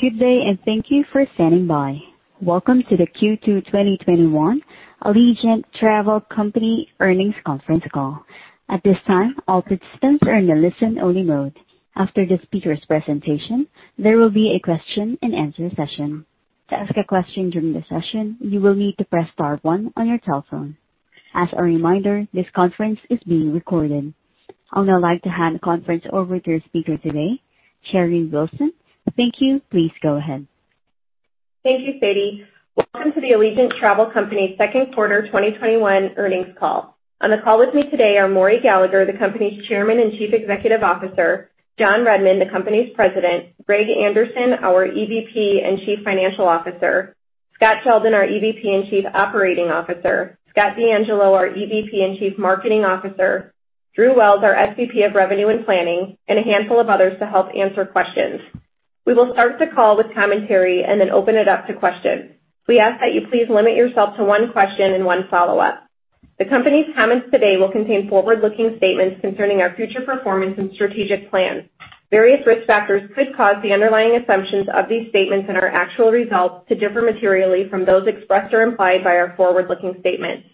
Good day, and thank you for standing by. Welcome to the Q2 2021 Allegiant Travel Company Earnings Conference Call. At this time, all participants are in a listen-only mode. After the speakers' presentation, there will be a question and answer session. To ask a question during the session, you will need to press star one on your telephone. As a reminder, this conference is being recorded. I would now like to hand the conference over to your speaker today, Sherry Wilson. Thank you. Please go ahead. Thank you, Sati. Welcome to the Allegiant Travel Company Second Quarter 2021 Earnings Call. On the call with me today are Maury Gallagher, the company's Chairman and Chief Executive Officer, John Redmond, the company's President, Greg Anderson, our EVP and Chief Financial Officer, Scott Sheldon, our EVP and Chief Operating Officer, Scott DeAngelo, our EVP and Chief Marketing Officer, Drew Wells, our SVP of Revenue and Planning, and a handful of others to help answer questions. We will start the call with commentary and then open it up to questions. We ask that you please limit yourself to one question and one follow-up. The company's comments today will contain forward-looking statements concerning our future performance and strategic plans. Various risk factors could cause the underlying assumptions of these statements and our actual results to differ materially from those expressed or implied by our forward-looking statements.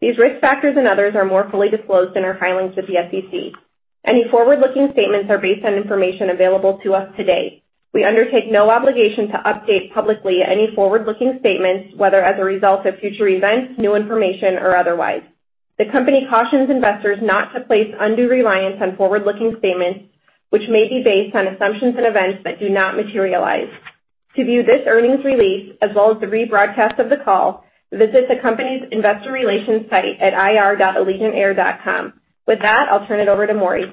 These risk factors and others are more fully disclosed in our filings with the SEC. Any forward-looking statements are based on information available to us today. We undertake no obligation to update publicly any forward-looking statements, whether as a result of future events, new information, or otherwise. The company cautions investors not to place undue reliance on forward-looking statements, which may be based on assumptions and events that do not materialize. To view this earnings release, as well as the rebroadcast of the call, visit the company's investor relations site at ir.allegiantair.com. With that, I'll turn it over to Maury.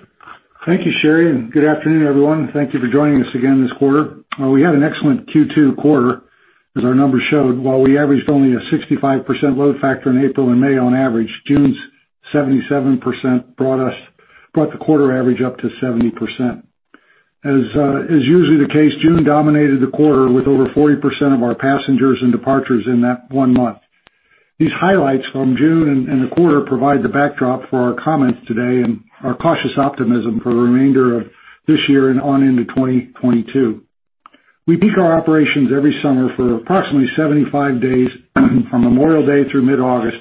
Thank you, Sherry. Good afternoon, everyone. Thank you for joining us again this quarter. We had an excellent Q2 quarter, as our numbers showed. While we averaged only a 65% load factor in April and May on average, June's 77% brought the quarter average up to 70%. As is usually the case, June dominated the quarter with over 40% of our passengers and departures in that one month. These highlights from June and the quarter provide the backdrop for our comments today and our cautious optimism for the remainder of this year and on into 2022. We peak our operations every summer for approximately 75 days, from Memorial Day through mid-August.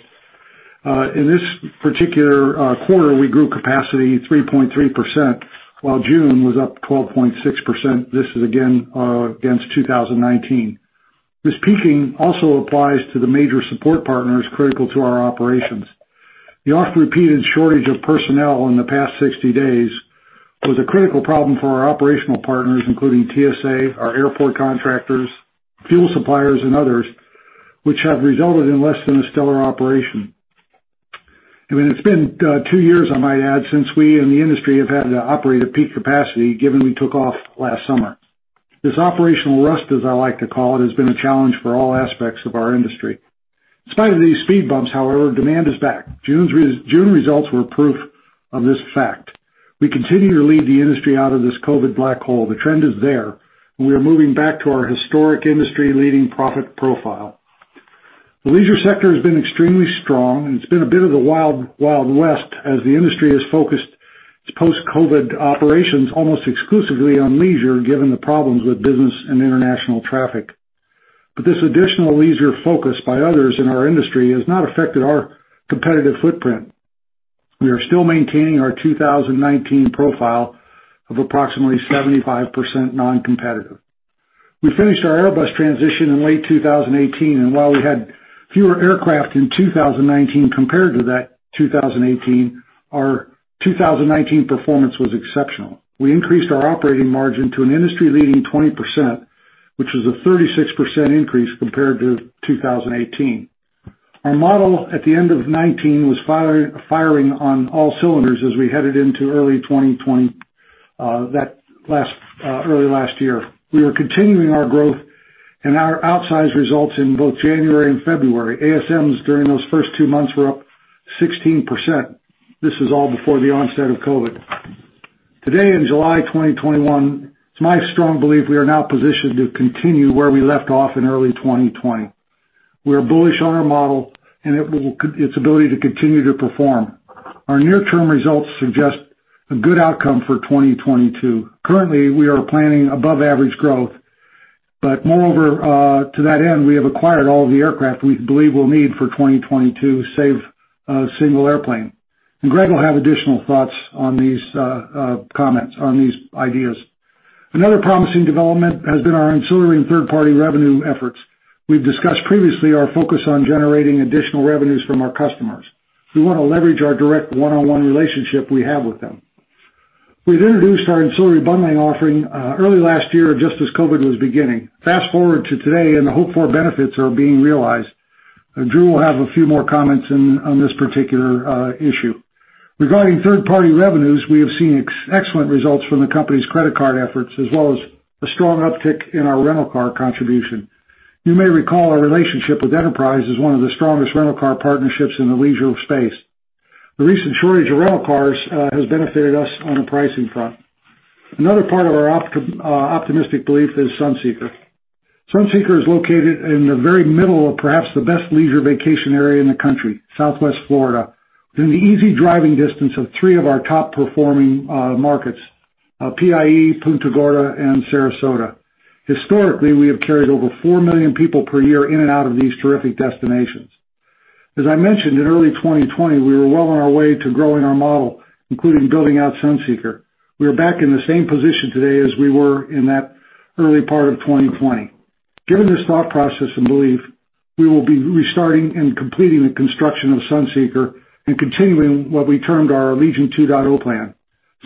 In this particular quarter, we grew capacity 3.3%, while June was up 12.6%. This is again against 2019. This peaking also applies to the major support partners critical to our operations. The often-repeated shortage of personnel in the past 60 days was a critical problem for our operational partners, including TSA, our airport contractors, fuel suppliers, and others, which have resulted in less than a stellar operation. I mean, it's been two years, I might add, since we and the industry have had to operate at peak capacity given we took off last summer. This operational rust, as I like to call it, has been a challenge for all aspects of our industry. In spite of these speed bumps, however, demand is back. June results were proof of this fact. We continue to lead the industry out of this COVID black hole. The trend is there, and we are moving back to our historic industry-leading profit profile. The leisure sector has been extremely strong, and it's been a bit of the Wild West as the industry has focused its post-COVID operations almost exclusively on leisure, given the problems with business and international traffic. This additional leisure focus by others in our industry has not affected our competitive footprint. We are still maintaining our 2019 profile of approximately 75% non-competitive. We finished our Airbus transition in late 2018, and while we had fewer aircraft in 2019 compared to that 2018, our 2019 performance was exceptional. We increased our operating margin to an industry-leading 20%, which was a 36% increase compared to 2018. Our model at the end of 2019 was firing on all cylinders as we headed into early 2020, early last year. We were continuing our growth and our outsized results in both January and February. ASMs during those first two months were up 16%. This is all before the onset of COVID. Today, in July 2021, it is my strong belief we are now positioned to continue where we left off in early 2020. We are bullish on our model and its ability to continue to perform. Our near-term results suggest a good outcome for 2022. Currently, we are planning above-average growth. Moreover to that end, we have acquired all the aircraft we believe we will need for 2022, save a single airplane. Greg will have additional thoughts on these comments, on these ideas. Another promising development has been our ancillary and third-party revenue efforts. We have discussed previously our focus on generating additional revenues from our customers. We want to leverage our direct one-on-one relationship we have with them. We have introduced our ancillary bundling offering early last year, just as COVID was beginning. Fast-forward to today, and the hoped-for benefits are being realized. Drew will have a few more comments on this particular issue. Regarding third-party revenues, we have seen excellent results from the company's credit card efforts as well as a strong uptick in our rental car contribution. You may recall our relationship with Enterprise is one of the strongest rental car partnerships in the leisure space. The recent shortage of rental cars has benefited us on a pricing front. Another part of our optimistic belief is Sunseeker is located in the very middle of perhaps the best leisure vacation area in the country, Southwest Florida, within easy driving distance of three of our top-performing markets, PIE, Punta Gorda, and Sarasota. Historically, we have carried over 4 million people per year in and out of these terrific destinations. As I mentioned, in early 2020, we were well on our way to growing our model, including building out Sunseeker. We are back in the same position today as we were in that early part of 2020. Given this thought process and belief, we will be restarting and completing the construction of Sunseeker and continuing what we termed our Allegiant 2.0 plan.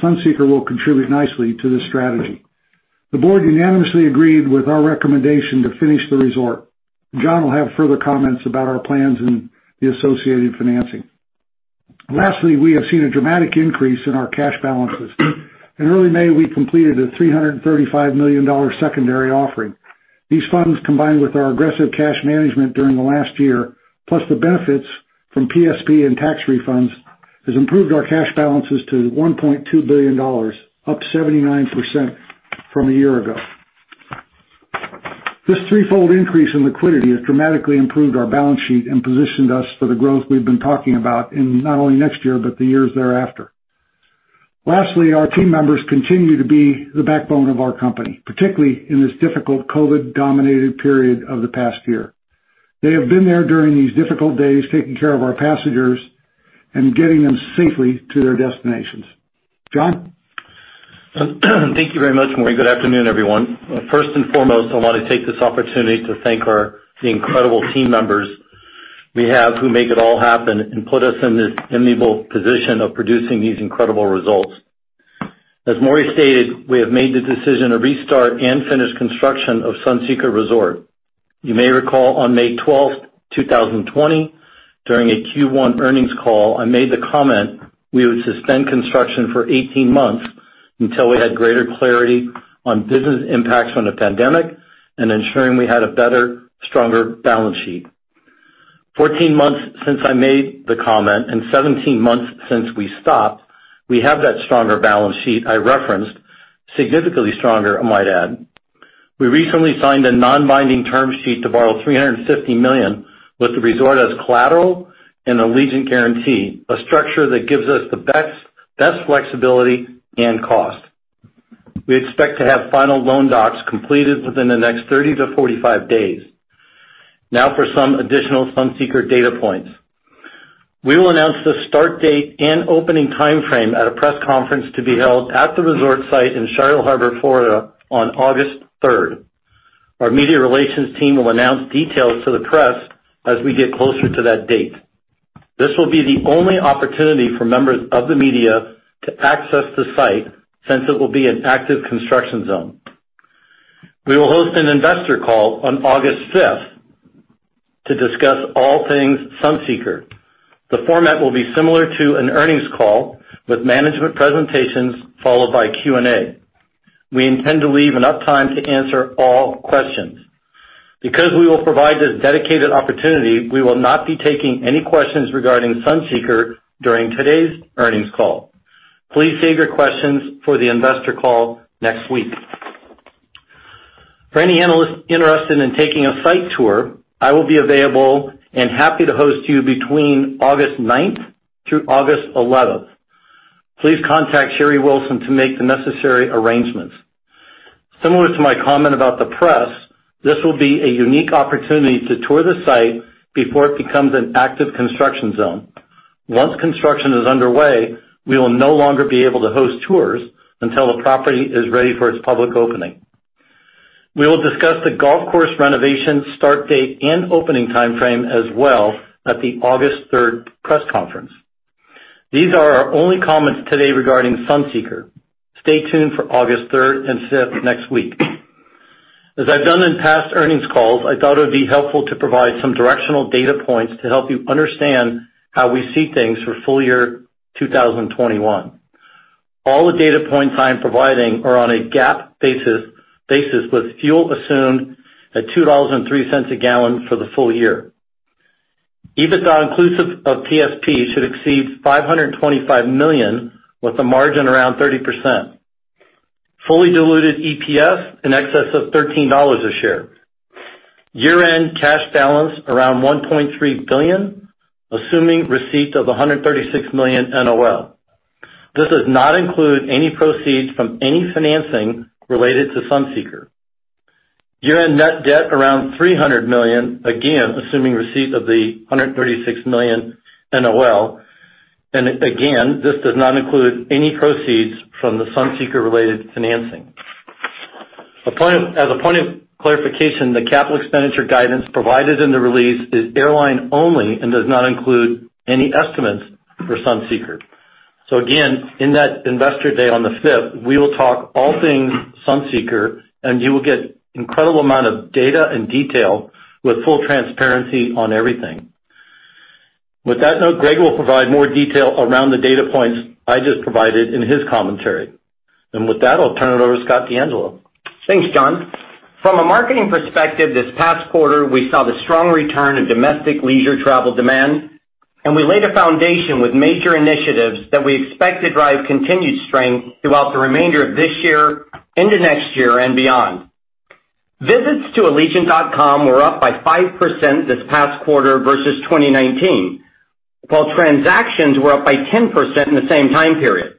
Sunseeker will contribute nicely to this strategy. The board unanimously agreed with our recommendation to finish the resort. John will have further comments about our plans and the associated financing. Lastly, we have seen a dramatic increase in our cash balances. In early May, we completed a $335 million secondary offering. These funds, combined with our aggressive cash management during the last year, plus the benefits from PSP and tax refunds, has improved our cash balances to $1.2 billion, up 79% from a year ago. This threefold increase in liquidity has dramatically improved our balance sheet and positioned us for the growth we've been talking about in not only next year, but the years thereafter. Lastly, our team members continue to be the backbone of our company, particularly in this difficult COVID-dominated period of the past year. They have been there during these difficult days, taking care of our passengers and getting them safely to their destinations. John? Thank you very much, Maury. Good afternoon, everyone. First and foremost, I want to take this opportunity to thank our incredible team members we have who make it all happen and put us in this enviable position of producing these incredible results. As Maurice stated, we have made the decision to restart and finish construction of Sunseeker Resort. You may recall on May 12, 2020, during a Q1 earnings call, I made the comment we would suspend construction for 18 months until we had greater clarity on business impacts from the pandemic and ensuring we had a better, stronger balance sheet. 14 months since I made the comment and 17 months since we stopped, we have that stronger balance sheet I referenced. Significantly stronger, I might add. We recently signed a non-binding term sheet to borrow $350 million with the resort as collateral and Allegiant guarantee, a structure that gives us the best flexibility and cost. We expect to have final loan docs completed within the next 30-45 days. For some additional Sunseeker data points. We will announce the start date and opening timeframe at a press conference to be held at the resort site in Charlotte Harbor, Florida, on August 3rd. Our media relations team will announce details to the press as we get closer to that date. This will be the only opportunity for members of the media to access the site, since it will be an active construction zone. We will host an investor call on August 5th to discuss all things Sunseeker. The format will be similar to an earnings call, with management presentations followed by a Q&A. We intend to leave enough time to answer all questions. Because we will provide this dedicated opportunity, we will not be taking any questions regarding Sunseeker during today's earnings call. Please save your questions for the investor call next week. For any analysts interested in taking a site tour, I will be available and happy to host you between August 9th through August 11th. Please contact Sherry Wilson to make the necessary arrangements. Similar to my comment about the press, this will be a unique opportunity to tour the site before it becomes an active construction zone. Once construction is underway, we will no longer be able to host tours until the property is ready for its public opening. We will discuss the golf course renovation start date and opening timeframe as well at the August 3rd press conference. These are our only comments today regarding Sunseeker. Stay tuned for August 3rd and 5th next week. As I've done in past earnings calls, I thought it would be helpful to provide some directional data points to help you understand how we see things for full year 2021. All the data points I am providing are on a GAAP basis, with fuel assumed at $2.03 a gallon for the full year. EBITDA inclusive of PSP should exceed $525 million, with a margin around 30%. Fully diluted EPS in excess of $13 a share. Year-end cash balance around $1.3 billion, assuming receipt of $136 million NOL. This does not include any proceeds from any financing related to Sunseeker. Year-end net debt around $300 million, again, assuming receipt of the $136 million NOL. Again, this does not include any proceeds from the Sunseeker-related financing. As a point of clarification, the capital expenditure guidance provided in the release is airline only and does not include any estimates for Sunseeker. Again, in that investor day on the 5th, we will talk all things Sunseeker, and you will get incredible amount of data and detail with full transparency on everything. With that note, Greg will provide more detail around the data points I just provided in his commentary. With that, I'll turn it over to Scott DeAngelo. Thanks, John. From a marketing perspective this past quarter, we saw the strong return of domestic leisure travel demand. We laid a foundation with major initiatives that we expect to drive continued strength throughout the remainder of this year, into next year, and beyond. Visits to allegiant.com were up by 5% this past quarter versus 2019, while transactions were up by 10% in the same time period.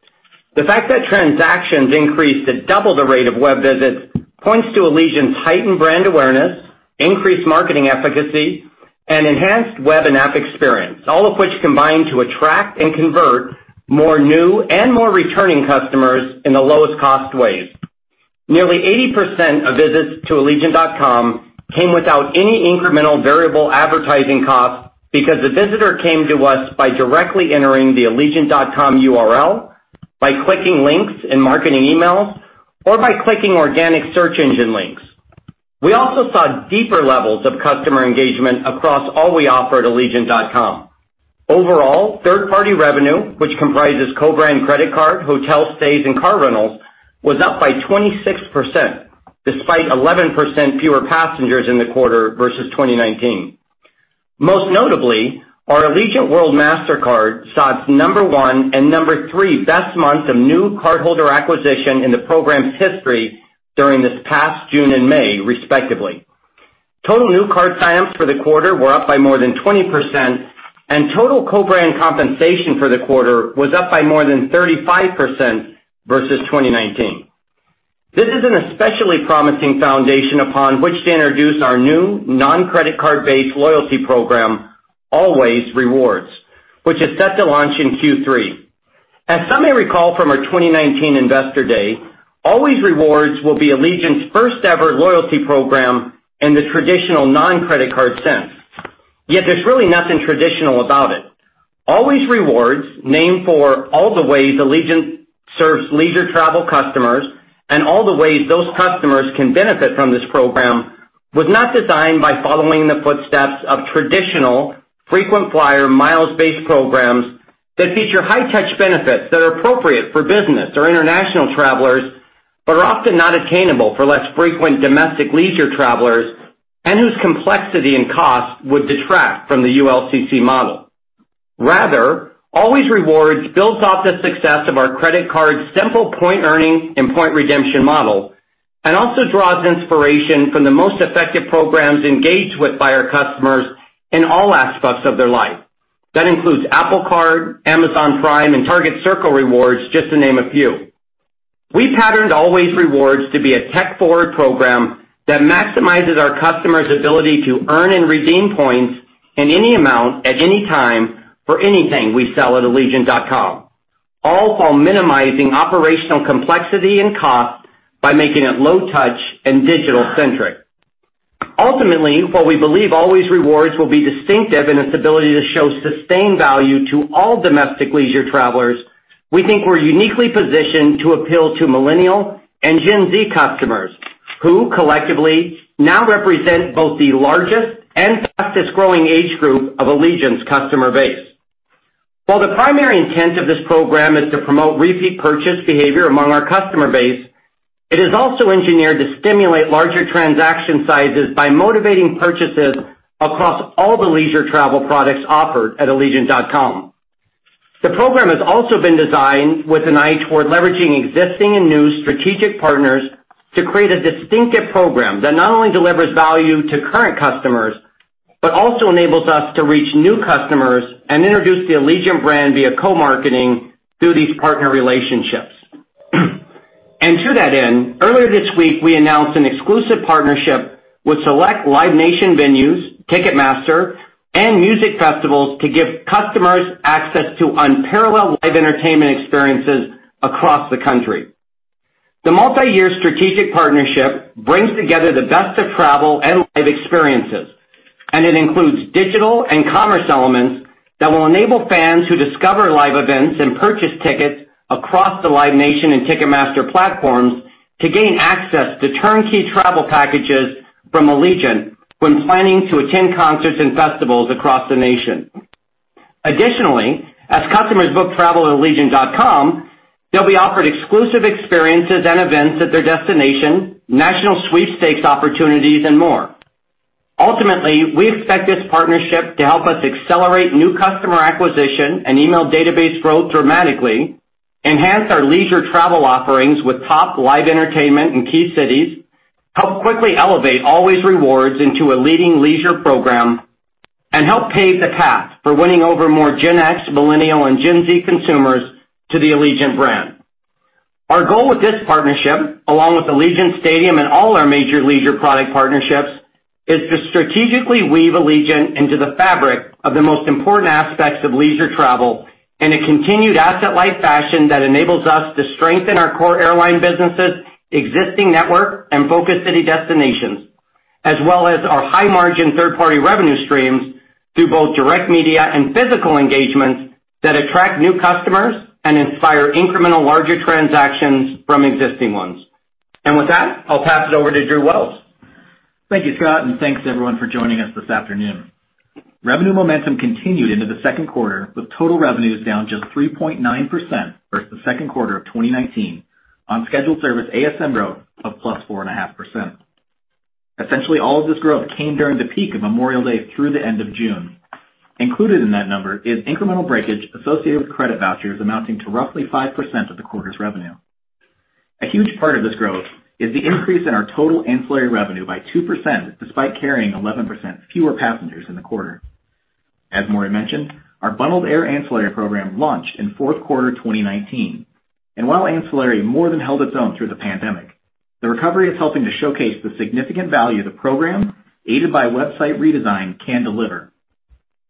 The fact that transactions increased at double the rate of web visits points to Allegiant's heightened brand awareness, increased marketing efficacy, and enhanced web and app experience, all of which combine to attract and convert more new and more returning customers in the lowest cost ways. Nearly 80% of visits to allegiant.com came without any incremental variable advertising costs because the visitor came to us by directly entering the allegiant.com URL, by clicking links in marketing emails, or by clicking organic search engine links. We also saw deeper levels of customer engagement across all we offer at allegiant.com. Overall, third-party revenue, which comprises co-brand credit card, hotel stays, and car rentals, was up by 26%, despite 11% fewer passengers in the quarter versus 2019. Most notably, our Allegiant World Mastercard saw its number one and number three best months of new cardholder acquisition in the program's history during this past June and May, respectively. Total new card sign-ups for the quarter were up by more than 20%, and total co-brand compensation for the quarter was up by more than 35% versus 2019. This is an especially promising foundation upon which to introduce our new non-credit card-based loyalty program, Allways Rewards, which is set to launch in Q3. As some may recall from our 2019 Investor Day, Allways Rewards will be Allegiant's first-ever loyalty program in the traditional non-credit card sense. There's really nothing traditional about it. Allways Rewards, named for all the ways Allegiant serves leisure travel customers and all the ways those customers can benefit from this program, was not designed by following the footsteps of traditional frequent flyer miles-based programs that feature high touch benefits that are appropriate for business or international travelers, but are often not attainable for less frequent domestic leisure travelers and whose complexity and cost would detract from the ULCC model. Rather, Allways Rewards builds off the success of our credit card's simple point earning and point redemption model, and also draws inspiration from the most effective programs engaged with by our customers in all aspects of their life. That includes Apple Card, Amazon Prime, and Target Circle Rewards, just to name a few. We patterned Allways Rewards to be a tech-forward program that maximizes our customers' ability to earn and redeem points in any amount, at any time, for anything we sell at allegiant.com, all while minimizing operational complexity and cost by making it low touch and digital-centric. Ultimately, while we believe Allways Rewards will be distinctive in its ability to show sustained value to all domestic leisure travelers, we think we're uniquely positioned to appeal to Millennial and Generation Z customers who collectively now represent both the largest and fastest growing age group of Allegiant's customer base. While the primary intent of this program is to promote repeat purchase behavior among our customer base, it is also engineered to stimulate larger transaction sizes by motivating purchases across all the leisure travel products offered at allegiant.com. The program has also been designed with an eye toward leveraging existing and new strategic partners to create a distinctive program that not only delivers value to current customers, but also enables us to reach new customers and introduce the Allegiant brand via co-marketing through these partner relationships. To that end, earlier this week, we announced an exclusive partnership with select Live Nation venues, Ticketmaster, and music festivals to give customers access to unparalleled live entertainment experiences across the country. The multi-year strategic partnership brings together the best of travel and live experiences, and it includes digital and commerce elements that will enable fans who discover live events and purchase tickets across the Live Nation and Ticketmaster platforms to gain access to turnkey travel packages from Allegiant when planning to attend concerts and festivals across the nation. Additionally, as customers book travel at allegiant.com, they'll be offered exclusive experiences and events at their destination, national sweepstakes opportunities, and more. Ultimately, we expect this partnership to help us accelerate new customer acquisition and email database growth dramatically, enhance our leisure travel offerings with top live entertainment in key cities, help quickly elevate Allways Rewards into a leading leisure program, and help pave the path for winning over more Generation X, Millennial, and Generation Z consumers to the Allegiant brand. Our goal with this partnership, along with Allegiant Stadium and all our major leisure product partnerships, is to strategically weave Allegiant into the fabric of the most important aspects of leisure travel in a continued asset-light fashion that enables us to strengthen our core airline businesses' existing network and focus city destinations, as well as our high margin third-party revenue streams through both direct media and physical engagements that attract new customers and inspire incremental larger transactions from existing ones. With that, I'll pass it over to Drew Wells. Thank you, Scott, and thanks everyone for joining us this afternoon. Revenue momentum continued into the second quarter, with total revenues down just 3.9% versus the second quarter of 2019 on scheduled service ASM growth of +4.5%. Essentially, all of this growth came during the peak of Memorial Day through the end of June. Included in that number is incremental breakage associated with credit vouchers amounting to roughly 5% of the quarter's revenue. A huge part of this growth is the increase in our total ancillary revenue by 2%, despite carrying 11% fewer passengers in the quarter. As Maury mentioned, our bundled air ancillary program launched in fourth quarter 2019, and while ancillary more than held its own through the pandemic, the recovery is helping to showcase the significant value the program, aided by website redesign, can deliver.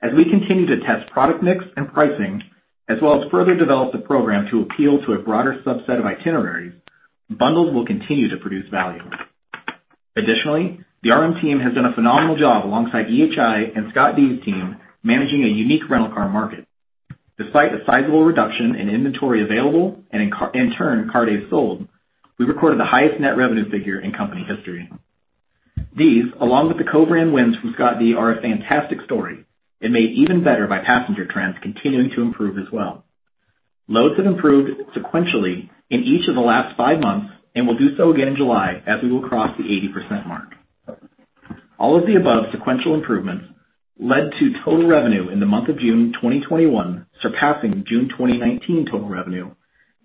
As we continue to test product mix and pricing, as well as further develop the program to appeal to a broader subset of itineraries, bundles will continue to produce value. The RM team has done a phenomenal job alongside EHI and Scott DeAngelo's team managing a unique rental car market. Despite a sizable reduction in inventory available and in turn, car days sold, we recorded the highest net revenue figure in company history. These, along with the co-brand wins from Scott, are a fantastic story and made even better by passenger trends continuing to improve as well. Loads have improved sequentially in each of the last five months and will do so again in July as we will cross the 80% mark. All of the above sequential improvements led to total revenue in the month of June 2021 surpassing June 2019 total revenue,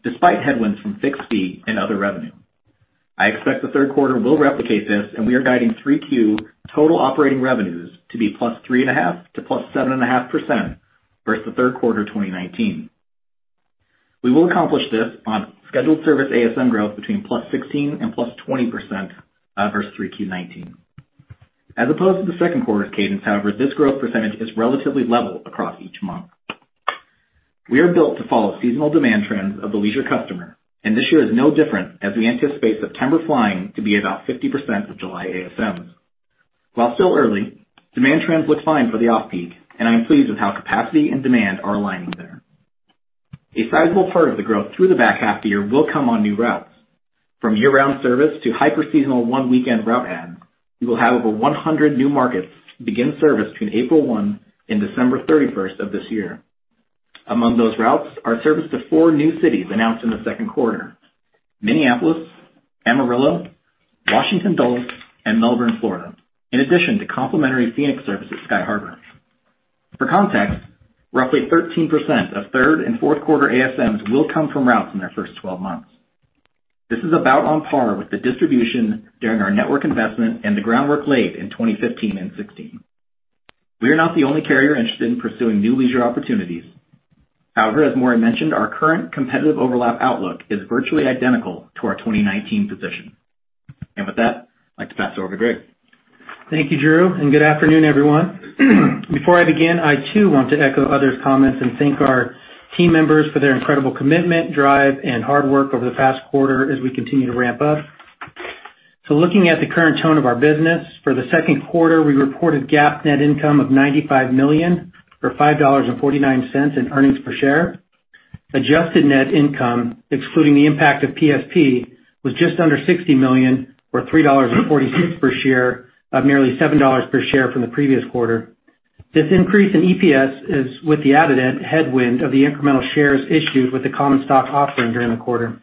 despite headwinds from fixed fee and other revenue. I expect the third quarter will replicate this, and we are guiding 3Q total operating revenues to be +3.5% to +7.5% versus the third quarter 2019. We will accomplish this on scheduled service ASM growth between +16% and +20% versus 3Q 2019. As opposed to the second quarter's cadence, however, this growth percentage is relatively level across each month. We are built to follow seasonal demand trends of the leisure customer, and this year is no different as we anticipate September flying to be about 50% of July ASMs. While still early, demand trends look fine for the off-peak, and I am pleased with how capacity and demand are aligning there. A sizable part of the growth through the back half of the year will come on new routes. From year-round service to hyper seasonal one-weekend route adds, we will have over 100 new markets begin service between April 1 and December 31st of this year. Among those routes are service to four new cities announced in the second quarter: Minneapolis, Amarillo, Washington Dulles, and Melbourne, Florida, in addition to complementary Phoenix service at Sky Harbor. For context, roughly 13% of third and fourth quarter ASMs will come from routes in their first 12 months. This is about on par with the distribution during our network investment and the groundwork laid in 2015 and 2016. We are not the only carrier interested in pursuing new leisure opportunities. However, as Maury Gallagher mentioned, our current competitive overlap outlook is virtually identical to our 2019 position. With that, I'd like to pass it over to Greg. Thank you, Drew. Good afternoon, everyone. Before I begin, I too want to echo others' comments and thank our team members for their incredible commitment, drive, and hard work over the past quarter as we continue to ramp up. Looking at the current tone of our business, for the second quarter, we reported GAAP net income of $95 million, or $5.49 in earnings per share. Adjusted net income, excluding the impact of PSP, was just under $60 million or $3.46 per share of nearly $7 per share from the previous quarter. This increase in EPS is with the added headwind of the incremental shares issued with the common stock offering during the quarter.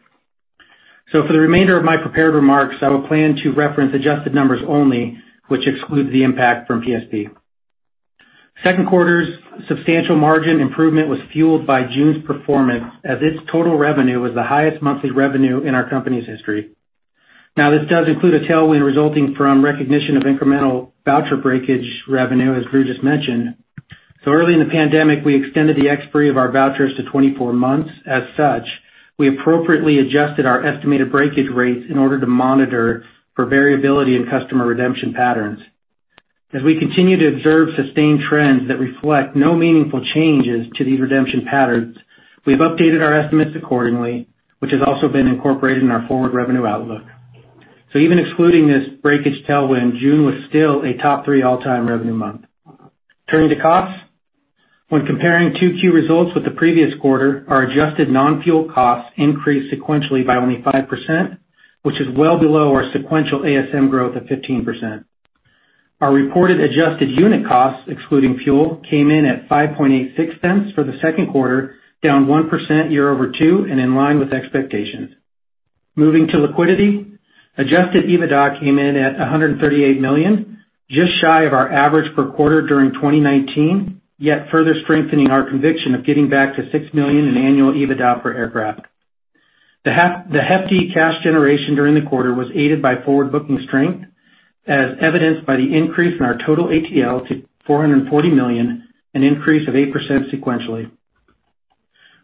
For the remainder of my prepared remarks, I will plan to reference adjusted numbers only, which excludes the impact from PSP. Second quarter's substantial margin improvement was fueled by June's performance as its total revenue was the highest monthly revenue in our company's history. This does include a tailwind resulting from recognition of incremental voucher breakage revenue, as Drew just mentioned. Early in the pandemic, we extended the expiry of our vouchers to 24 months. As such, we appropriately adjusted our estimated breakage rates in order to monitor for variability in customer redemption patterns. As we continue to observe sustained trends that reflect no meaningful changes to these redemption patterns, we've updated our estimates accordingly, which has also been incorporated in our forward revenue outlook. Even excluding this breakage tailwind, June was still a top-three all-time revenue month. Turning to costs, when comparing 2Q results with the previous quarter, our adjusted non-fuel costs increased sequentially by only 5%, which is well below our sequential ASM growth of 15%. Our reported adjusted unit costs, excluding fuel, came in at $0.0586 for the second quarter, down 1% year-over-year and in line with expectations. Moving to liquidity, adjusted EBITDA came in at $138 million, just shy of our average per quarter during 2019, yet further strengthening our conviction of getting back to $6 million in annual EBITDA per aircraft. The hefty cash generation during the quarter was aided by forward-booking strength, as evidenced by the increase in our total ATL to $440 million, an increase of 8% sequentially.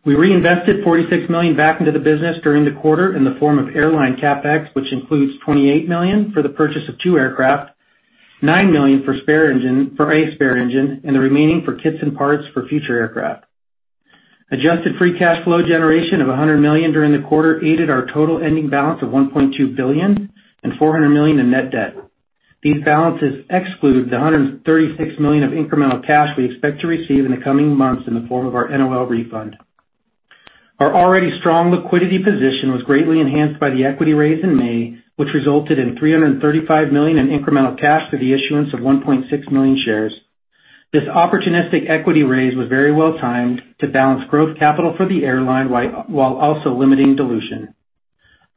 We reinvested $46 million back into the business during the quarter in the form of airline CapEx, which includes $28 million for the purchase of two aircraft, $9 million for a spare engine, and the remaining for kits and parts for future aircraft. Adjusted free cash flow generation of $100 million during the quarter aided our total ending balance of $1.2 billion and $400 million in net debt. These balances exclude the $136 million of incremental cash we expect to receive in the coming months in the form of our NOL refund. Our already strong liquidity position was greatly enhanced by the equity raise in May, which resulted in $335 million in incremental cash through the issuance of 1.6 million shares. This opportunistic equity raise was very well timed to balance growth capital for the airline while also limiting dilution.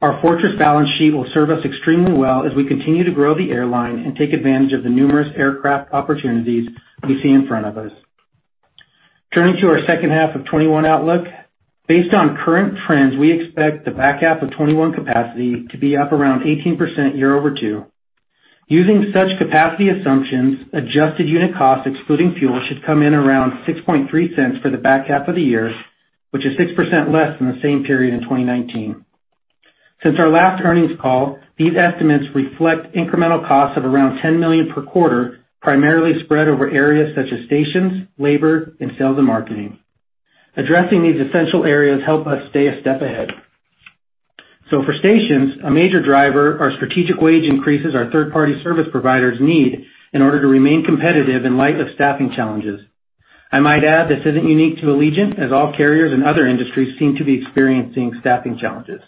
Our fortress balance sheet will serve us extremely well as we continue to grow the airline and take advantage of the numerous aircraft opportunities we see in front of us. Turning to our second half of 2021 outlook. Based on current trends, we expect the back half of 2021 capacity to be up around 18% year-over-two. Using such capacity assumptions, adjusted unit costs excluding fuel should come in around $0.063 for the back half of the year, which is 6% less than the same period in 2019. Since our last earnings call, these estimates reflect incremental costs of around $10 million per quarter, primarily spread over areas such as stations, labor, and sales and marketing. Addressing these essential areas help us stay a step ahead. For stations, a major driver are strategic wage increases our third-party service providers need in order to remain competitive in light of staffing challenges. I might add, this isn't unique to Allegiant, as all carriers in other industries seem to be experiencing staffing challenges.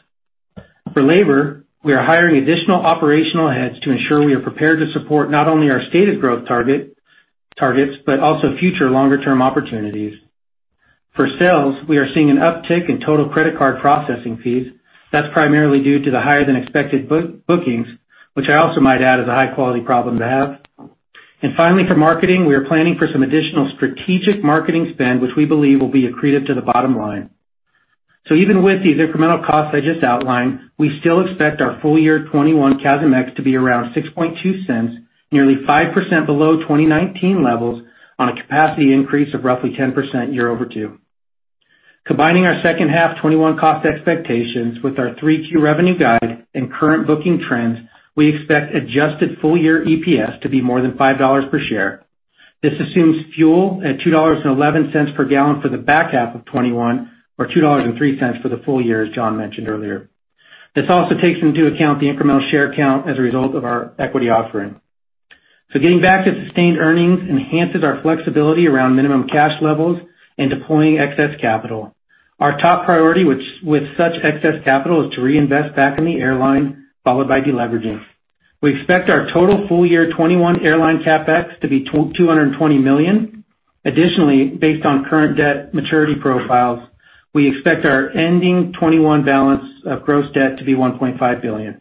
For labor, we are hiring additional operational heads to ensure we are prepared to support not only our stated growth targets but also future longer-term opportunities. For sales, we are seeing an uptick in total credit card processing fees. That's primarily due to the higher than expected bookings, which I also might add is a high-quality problem to have. Finally, for marketing, we are planning for some additional strategic marketing spend, which we believe will be accretive to the bottom line. Even with these incremental costs I just outlined, we still expect our full year 2021 CASM-ex to be around $0.062, nearly 5% below 2019 levels on a capacity increase of roughly 10% year over two. Combining our second half 2021 cost expectations with our 3Q revenue guide and current booking trends, we expect adjusted full year EPS to be more than $5 per share. This assumes fuel at $2.11 per gallon for the back half of 2021 or $2.03 for the full year, as John mentioned earlier. This also takes into account the incremental share count as a result of our equity offering. Getting back to sustained earnings enhances our flexibility around minimum cash levels and deploying excess capital. Our top priority with such excess capital is to reinvest back in the airline, followed by deleveraging. We expect our total full year 2021 airline CapEx to be $220 million. Additionally, based on current debt maturity profiles, we expect our ending 2021 balance of gross debt to be $1.5 billion.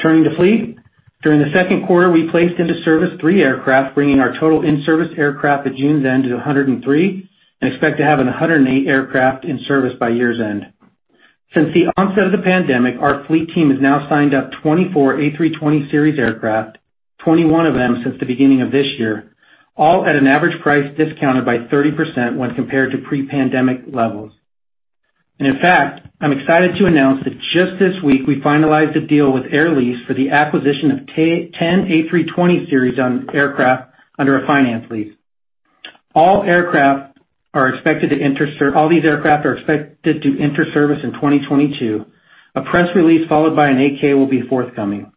Turning to fleet. During the second quarter, we placed into service three aircraft, bringing our total in-service aircraft at June's end to 103, and expect to have 108 aircraft in service by year's end. Since the onset of the pandemic, our fleet team has now signed up 24 A320 series aircraft, 21 of them since the beginning of this year, all at an average price discounted by 30% when compared to pre-pandemic levels. In fact, I'm excited to announce that just this week we finalized a deal with Air Lease for the acquisition of 10 A320 series aircraft under a finance lease. All these aircraft are expected to enter service in 2022. A press release followed by an 8-K will be forthcoming.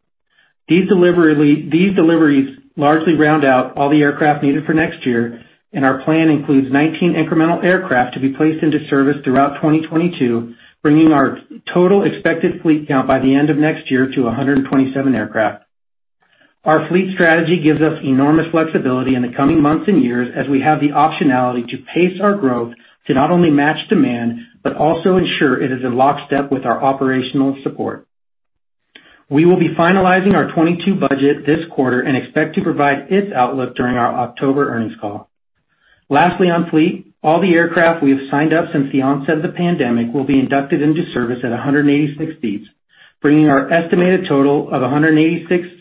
These deliveries largely round out all the aircraft needed for next year, and our plan includes 19 incremental aircraft to be placed into service throughout 2022, bringing our total expected fleet count by the end of next year to 127 aircraft. Our fleet strategy gives us enormous flexibility in the coming months and years as we have the optionality to pace our growth to not only match demand, but also ensure it is in lockstep with our operational support. We will be finalizing our 2022 budget this quarter and expect to provide its outlook during our October earnings call. Lastly, on fleet, all the aircraft we have signed up since the onset of the pandemic will be inducted into service at 186 seats, bringing our estimated total of 186-seat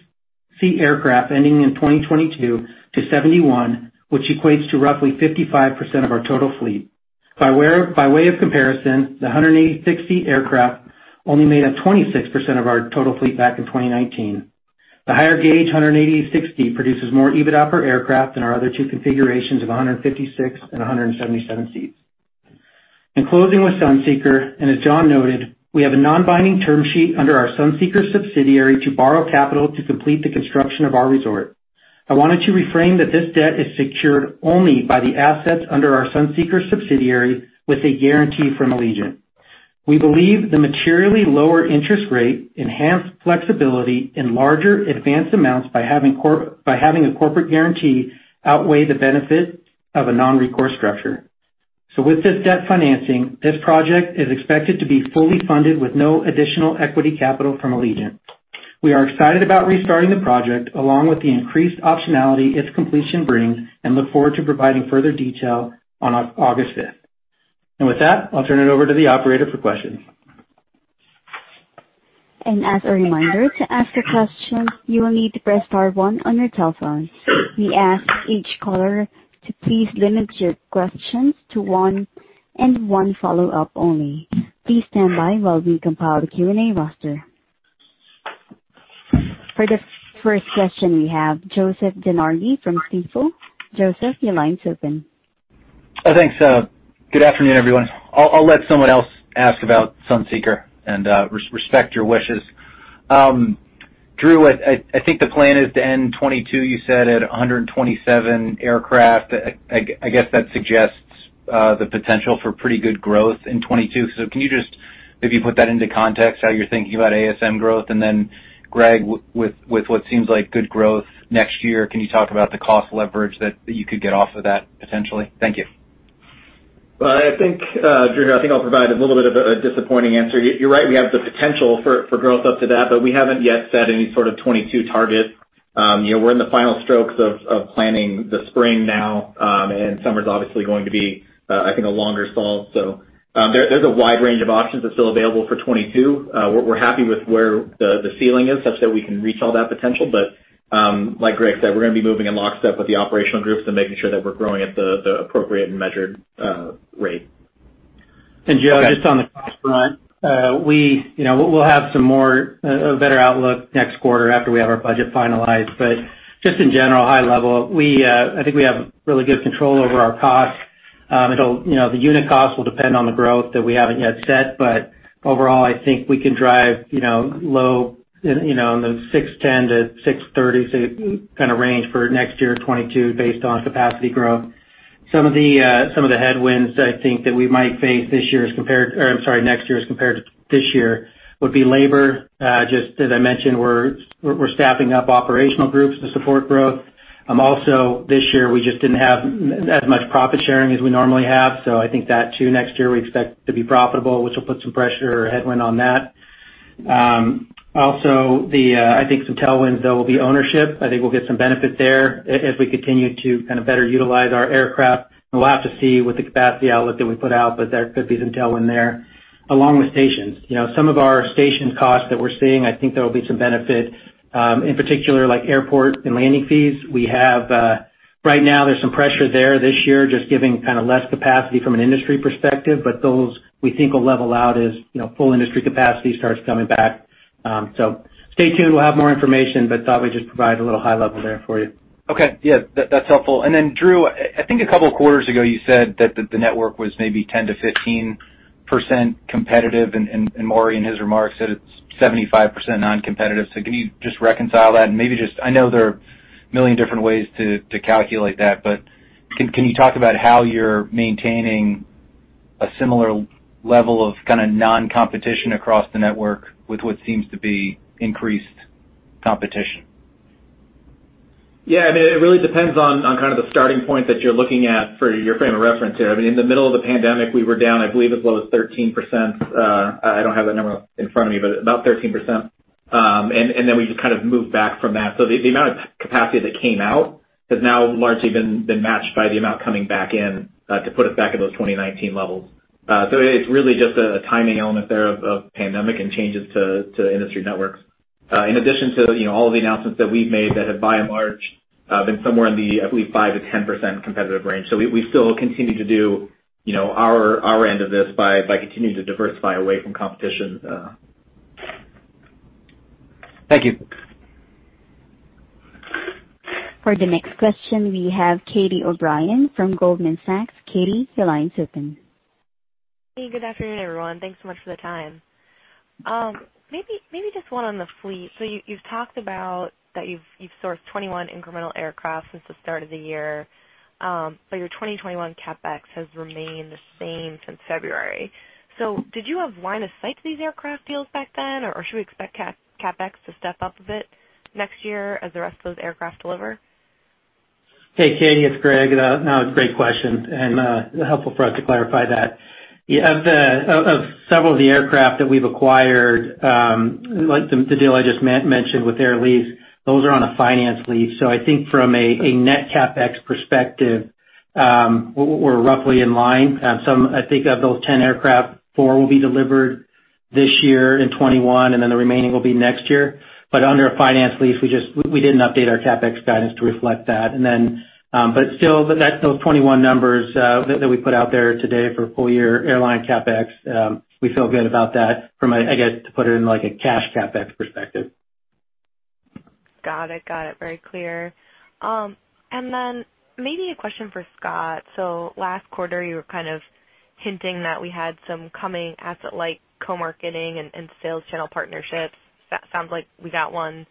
aircraft ending in 2022 to 71, which equates to roughly 55% of our total fleet. By way of comparison, the 186-seat aircraft only made up 26% of our total fleet back in 2019. The higher gauge 186 seat produces more EBITDA per aircraft than our other two configurations of 156 and 177 seats. In closing with Sunseeker, and as John noted, we have a non-binding term sheet under our Sunseeker subsidiary to borrow capital to complete the construction of our resort. I wanted to reframe that this debt is secured only by the assets under our Sunseeker subsidiary with a guarantee from Allegiant. We believe the materially lower interest rate enhanced flexibility in larger advanced amounts by having a corporate guarantee outweigh the benefit of a non-recourse structure. With this debt financing, this project is expected to be fully funded with no additional equity capital from Allegiant. We are excited about restarting the project along with the increased optionality its completion brings and look forward to providing further detail on August 5th. With that, I'll turn it over to the operator for questions. As a reminder, to ask a question, you will need to press star one on your telephone. We ask each caller to please limit your questions to one and one follow-up only. Please stand by while we compile the Q&A roster. For the first question, we have Joseph DeNardi from Stifel. Joseph, your line is open. Oh, thanks. Good afternoon, everyone. I'll let someone else ask about Sunseeker and respect your wishes. Drew, I think the plan is to end 2022, you said at 127 aircraft. I guess that suggests The potential for pretty good growth in 2022. Can you just maybe put that into context how you're thinking about ASM growth? Greg, with what seems like good growth next year, can you talk about the cost leverage that you could get off of that essentially? Thank you. Well, I think, Drew, I think I'll provide a little bit of a disappointing answer. You're right, we have the potential for growth up to that, but we haven't yet set any sort of 2022 targets. We're in the final strokes of planning the spring now, and summer's obviously going to be, I think, a longer stall. There's a wide range of options that are still available for 2022. We're happy with where the ceiling is such that we can reach all that potential. Like Greg said, we're going to be moving in lockstep with the operational groups and making sure that we're growing at the appropriate and measured rate. Joe, just on the cost front, we'll have a better outlook next quarter after we have our budget finalized. Just in general, high level, I think we have really good control over our costs. The unit cost will depend on the growth that we haven't yet set, but overall, I think we can drive low in the $6.10-$6.30 kind of range for next year 2022 based on capacity growth. Some of the headwinds I think that we might face next year as compared to this year would be labor. Just as I mentioned, we're staffing up operational groups to support growth. Also, this year, we just didn't have as much profit sharing as we normally have. I think that too, next year we expect to be profitable, which will put some pressure or headwind on that. I think some tailwinds, though, will be ownership. I think we'll get some benefit there as we continue to better utilize our aircraft. We'll have to see with the capacity outlook that we put out, but there could be some tailwind there, along with stations. Some of our station costs that we're seeing, I think there will be some benefit, in particular like airport and landing fees. Right now, there's some pressure there this year, just giving less capacity from an industry perspective, but those, we think, will level out as full industry capacity starts coming back. Stay tuned, we'll have more information, but thought we'd just provide a little high-level there for you. Okay. Yeah, that's helpful. Drew, I think a couple of quarters ago you said that the network was maybe 10%-15% competitive, and Maury in his remarks said it's 75% non-competitive. Can you just reconcile that? I know there are a million different ways to calculate that, but can you talk about how you're maintaining a similar level of non-competition across the network with what seems to be increased competition? It really depends on the starting point that you're looking at for your frame of reference here. In the middle of the pandemic, we were down, I believe, as low as 13%. I don't have that number in front of me, but about 13%. We just moved back from that. The amount of capacity that came out has now largely been matched by the amount coming back in to put us back at those 2019 levels. It's really just a timing element there of pandemic and changes to industry networks. In addition to all of the announcements that we've made that have by and large been somewhere in the, I believe, 5%-10% competitive range. We still continue to do our end of this by continuing to diversify away from competition. Thank you. For the next question, we have Catie O'Brien from Goldman Sachs. Catie, your line's open. Hey, good afternoon, everyone. Thanks so much for the time. Maybe just one on the fleet. You've talked about that you've sourced 21 incremental aircraft since the start of the year, but your 2021 CapEx has remained the same since February. Did you have line of sight to these aircraft deals back then, or should we expect CapEx to step up a bit next year as the rest of those aircraft deliver? Hey, Catie, it's Greg. Great question, and helpful for us to clarify that. Of several of the aircraft that we've acquired, like the deal I just mentioned with Air Lease, those are on a finance lease. I think from a net CapEx perspective, we're roughly in line. I think of those 10 aircraft, four will be delivered this year in 2021, and then the remaining will be next year. Under a finance lease, we didn't update our CapEx guidance to reflect that. Still, those 2021 numbers that we put out there today for full-year airline CapEx, we feel good about that from, I guess, to put it in like a cash CapEx perspective. Got it. Very clear. Maybe a question for Scott. Last quarter, you were kind of hinting that we had some coming asset-light co-marketing and sales channel partnerships. That sounds like we got one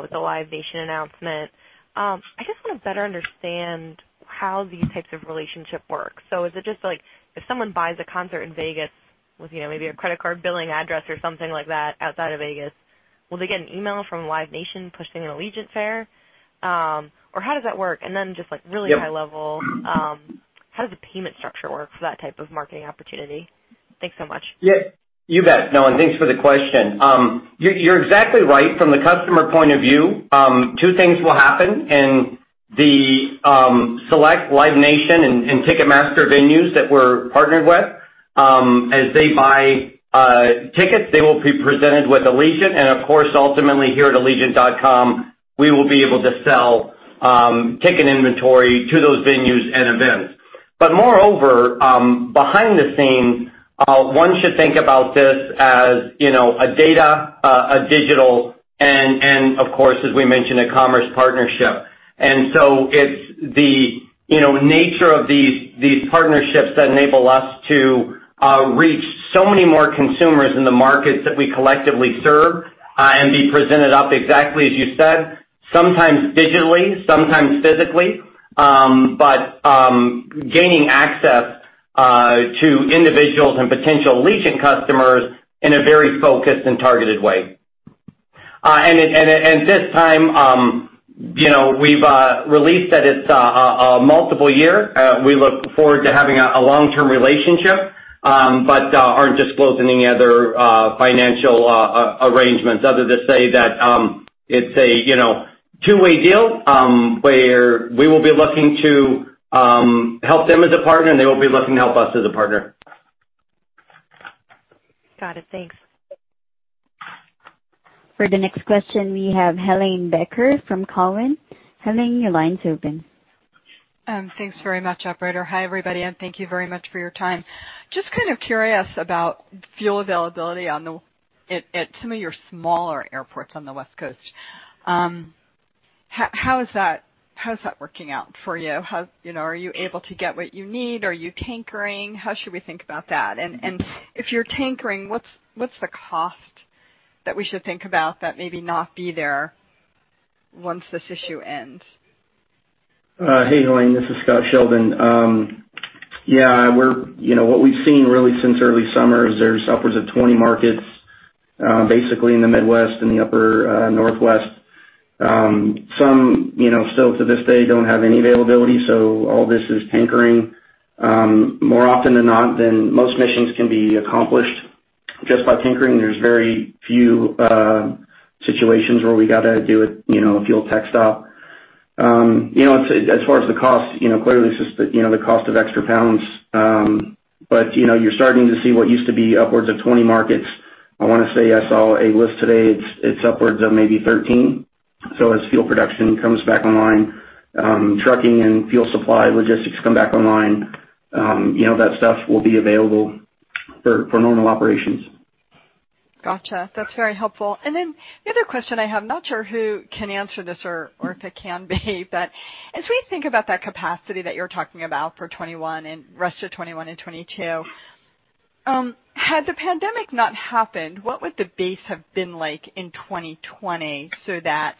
with the Live Nation announcement. I just want to better understand how these types of relationships work. Is it just like if someone buys a concert in Vegas with maybe a credit card billing address or something like that outside of Vegas, will they get an email from Live Nation pushing an Allegiant fare? How does that work? Yep High level, how does the payment structure work for that type of marketing opportunity? Thanks so much. You bet, no, and thanks for the question. You're exactly right. From the customer point of view, two things will happen in the select Live Nation and Ticketmaster venues that we're partnered with. As they buy tickets, they will be presented with Allegiant, and of course, ultimately, here at allegiant.com, we will be able to sell ticket inventory to those venues and events. Moreover, behind the scenes, one should think about this as a data, a digital, and of course, as we mentioned, a commerce partnership. It's the nature of these partnerships that enable us to reach so many more consumers in the markets that we collectively serve and be presented up exactly as you said. Sometimes digitally, sometimes physically, but gaining access to individuals and potential Allegiant customers in a very focused and targeted way. At this time, we've released that it's a multiple year. We look forward to having a long-term relationship, but aren't disclosing any other financial arrangements other than to say that it's a two-way deal, where we will be looking to help them as a partner, and they will be looking to help us as a partner. Got it. Thanks. For the next question, we have Helane Becker from Cowen. Helane, your line's open. Thanks very much, operator. Hi, everybody, and thank you very much for your time. Just kind of curious about fuel availability at some of your smaller airports on the West Coast. How is that working out for you? Are you able to get what you need? Are you tankering? How should we think about that? If you're tankering, what's the cost that we should think about that maybe not be there once this issue ends? Hey, Helane, this is Scott Sheldon. What we've seen really since early summer is there's upwards of 20 markets, basically in the Midwest and the upper Northwest. Some still to this day don't have any availability, so all this is tankering. More often than not, most missions can be accomplished just by tankering. There's very few situations where we got to do a fuel tech stop. As far as the cost, clearly it's just the cost of extra pounds. You're starting to see what used to be upwards of 20 markets. I want to say I saw a list today, it's upwards of maybe 13. As fuel production comes back online, trucking and fuel supply logistics come back online, that stuff will be available for normal operations. Gotcha. That's very helpful. Then the other question I have, not sure who can answer this or if it can be, but as we think about that capacity that you're talking about for rest of 2021 and 2022, had the pandemic not happened, what would the base have been like in 2020 so that,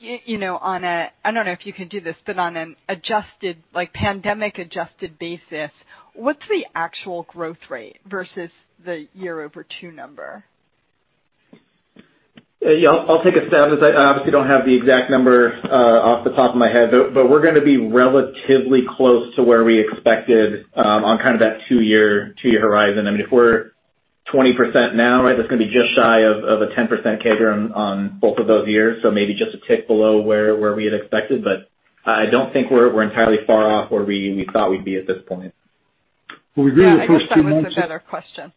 I don't know if you can do this, but on a pandemic-adjusted basis, what's the actual growth rate versus the year-over-two number? Yeah, I'll take a stab as I obviously don't have the exact number off the top of my head, but we're going to be relatively close to where we expected on kind of that two-year horizon. If we're 20% now, that's going to be just shy of a 10% CAGR on both of those years. Maybe just a tick below where we had expected, but I don't think we're entirely far off where we thought we'd be at this point. Yeah, I guess that was a better question.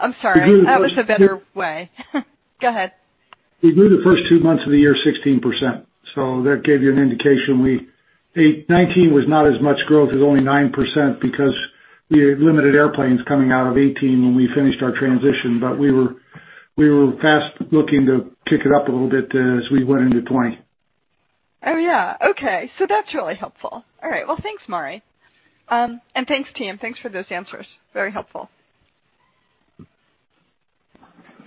I'm sorry. That was a better way. Go ahead. We grew the first two months of the year 16%. That gave you an indication. 2019 was not as much growth, it was only 9%, because we had limited airplanes coming out of 2018 when we finished our transition. We were fast looking to kick it up a little bit as we went into 2020. Oh, yeah. Okay. That's really helpful. All right. Well, thanks, Maury. Thanks, team. Thanks for those answers. Very helpful.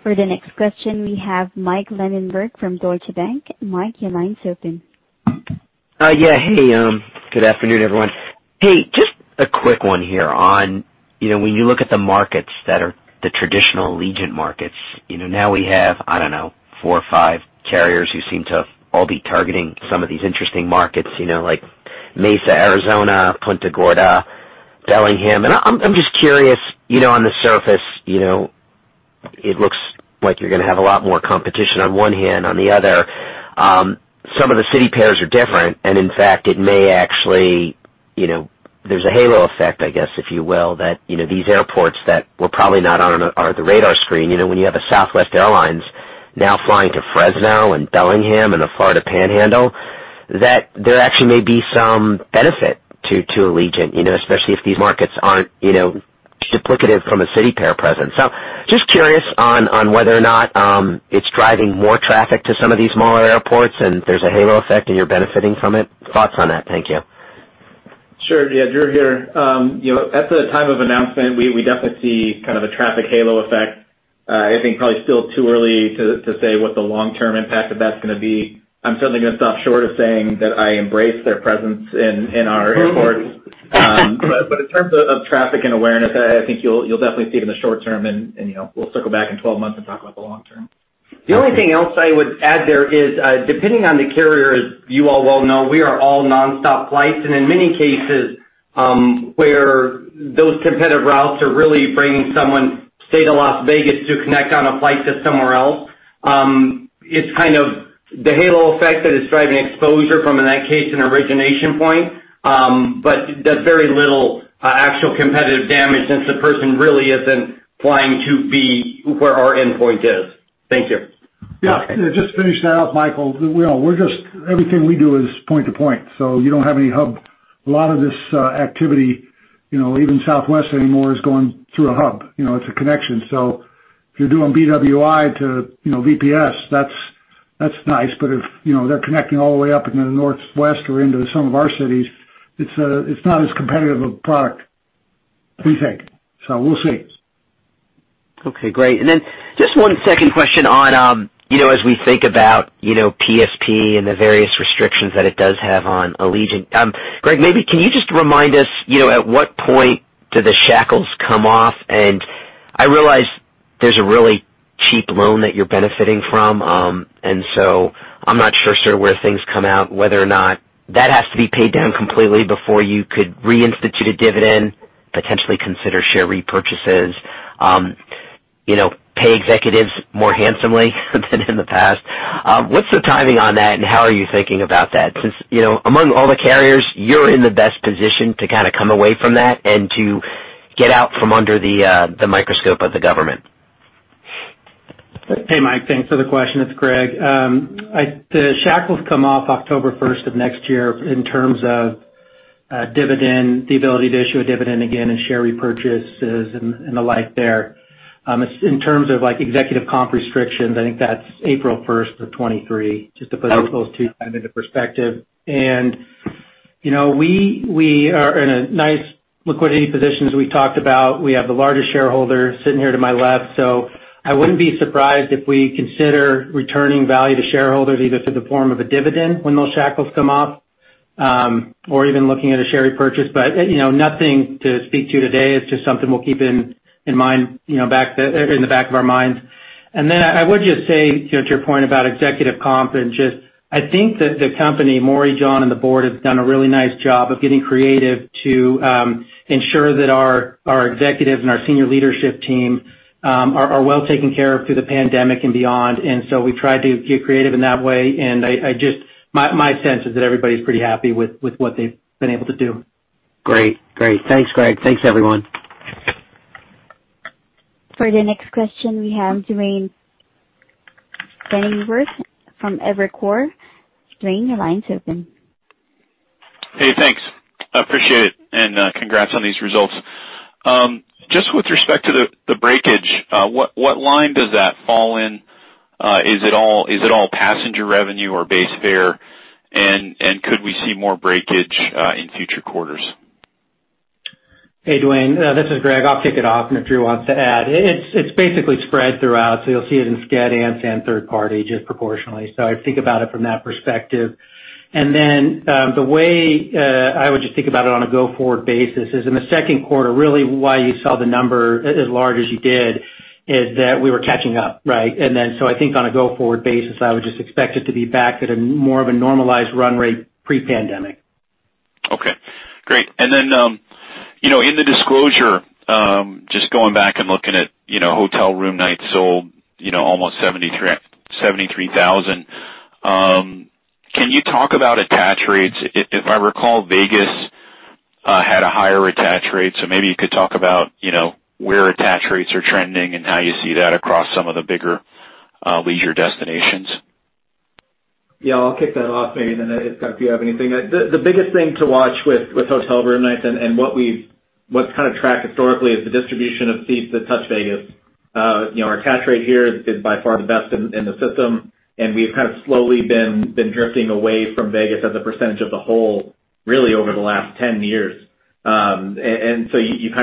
For the next question, we have Mike Linenberg from Deutsche Bank. Mike, your line's open. Good afternoon, everyone. Just a quick one here on when you look at the markets that are the traditional Allegiant markets, now we have, I don't know, four or five carriers who seem to all be targeting some of these interesting markets, like Mesa, Arizona, Punta Gorda, Bellingham. I'm just curious, on the surface, it looks like you're going to have a lot more competition on one hand. On the other, some of the city pairs are different, and in fact, there's a halo effect, I guess, if you will, that these airports that were probably not on the radar screen, when you have a Southwest Airlines now flying to Fresno and Bellingham and the Florida Panhandle, that there actually may be some benefit to Allegiant, especially if these markets aren't duplicative from a city pair presence. Just curious on whether or not it's driving more traffic to some of these smaller airports and there's a halo effect and you're benefiting from it. Thoughts on that? Thank you. Sure. Yeah. Drew here. At the time of announcement, we definitely see kind of a traffic halo effect. I think probably still too early to say what the long-term impact of that's going to be. I'm certainly going to stop short of saying that I embrace their presence in our airports. In terms of traffic and awareness, I think you'll definitely see it in the short term, and we'll circle back in 12 months and talk about the long term. The only thing else I would add there is, depending on the carrier, as you all well know, we are all nonstop flights, and in many cases, where those competitive routes are really bringing someone say to Las Vegas to connect on a flight to somewhere else, it's kind of the halo effect that is driving exposure from, in that case, an origination point. Does very little actual competitive damage since the person really isn't flying to be where our endpoint is. Thank you. Yeah. Just to finish that off, Michael, everything we do is point-to-point, so you don't have any hub. A lot of this activity, even Southwest anymore, is going through a hub. It's a connection. If you're doing BWI to VPS, that's nice. If they're connecting all the way up into the Northwest or into some of our cities, it's not as competitive a product, we think. We'll see. Just one second question on, as we think about PSP and the various restrictions that it does have on Allegiant. Greg, maybe can you just remind us, at what point do the shackles come off? I realize there's a really cheap loan that you're benefiting from, and so I'm not sure, sort of, where things come out, whether or not that has to be paid down completely before you could reinstitute a dividend, potentially consider share repurchases, pay executives more handsomely than in the past. What's the timing on that and how are you thinking about that? Since, among all the carriers, you're in the best position to kind of come away from that and to get out from under the microscope of the government. Hey, Mike, thanks for the question. It's Greg. The shackles come off October 1st of next year in terms of dividend, the ability to issue a dividend again and share repurchases and the like there. In terms of executive comp restrictions, I think that's April 1st of 2023. Okay Into perspective. We are in a nice liquidity position, as we talked about. We have the largest shareholder sitting here to my left, so I wouldn't be surprised if we consider returning value to shareholders, either through the form of a dividend when those shackles come off, or even looking at a share repurchase. Nothing to speak to today. It's just something we'll keep in the back of our minds. I would just say, to your point about executive comp and just, I think that the company, Maury, John, and the board, have done a really nice job of getting creative to ensure that our executive and our senior leadership team are well taken care of through the pandemic and beyond. We've tried to get creative in that way, and my sense is that everybody's pretty happy with what they've been able to do. Great. Thanks, Greg. Thanks, everyone. For the next question, we have Duane Pfennigwerth from Evercore. Duane, your line's open. Hey, thanks. I appreciate it. Congrats on these results. Just with respect to the breakage, what line does that fall in? Is it all passenger revenue or base fare? Could we see more breakage in future quarters? Hey, Duane. This is Greg. I'll kick it off, and if Drew wants to add. It's basically spread throughout, so you'll see it in sched and third party, just proportionally. I'd think about it from that perspective. The way I would just think about it on a go-forward basis is in the second quarter, really why you saw the number as large as you did is that we were catching up, right? I think on a go-forward basis, I would just expect it to be back at a more of a normalized run rate pre-pandemic. Okay, great. In the disclosure, just going back and looking at hotel room nights sold, almost 73,000. Can you talk about attach rates? If I recall, Vegas had a higher attach rate, so maybe you could talk about where attach rates are trending and how you see that across some of the bigger leisure destinations. Yeah, I'll kick that off, maybe then if, Scott, if you have anything. The biggest thing to watch with hotel room nights and what's kind of tracked historically is the distribution of seats that touch Vegas. Our attach rate here is by far the best in the system, and we've kind of slowly been drifting away from Vegas as a percentage of the whole, really over the last 10 years. You've kind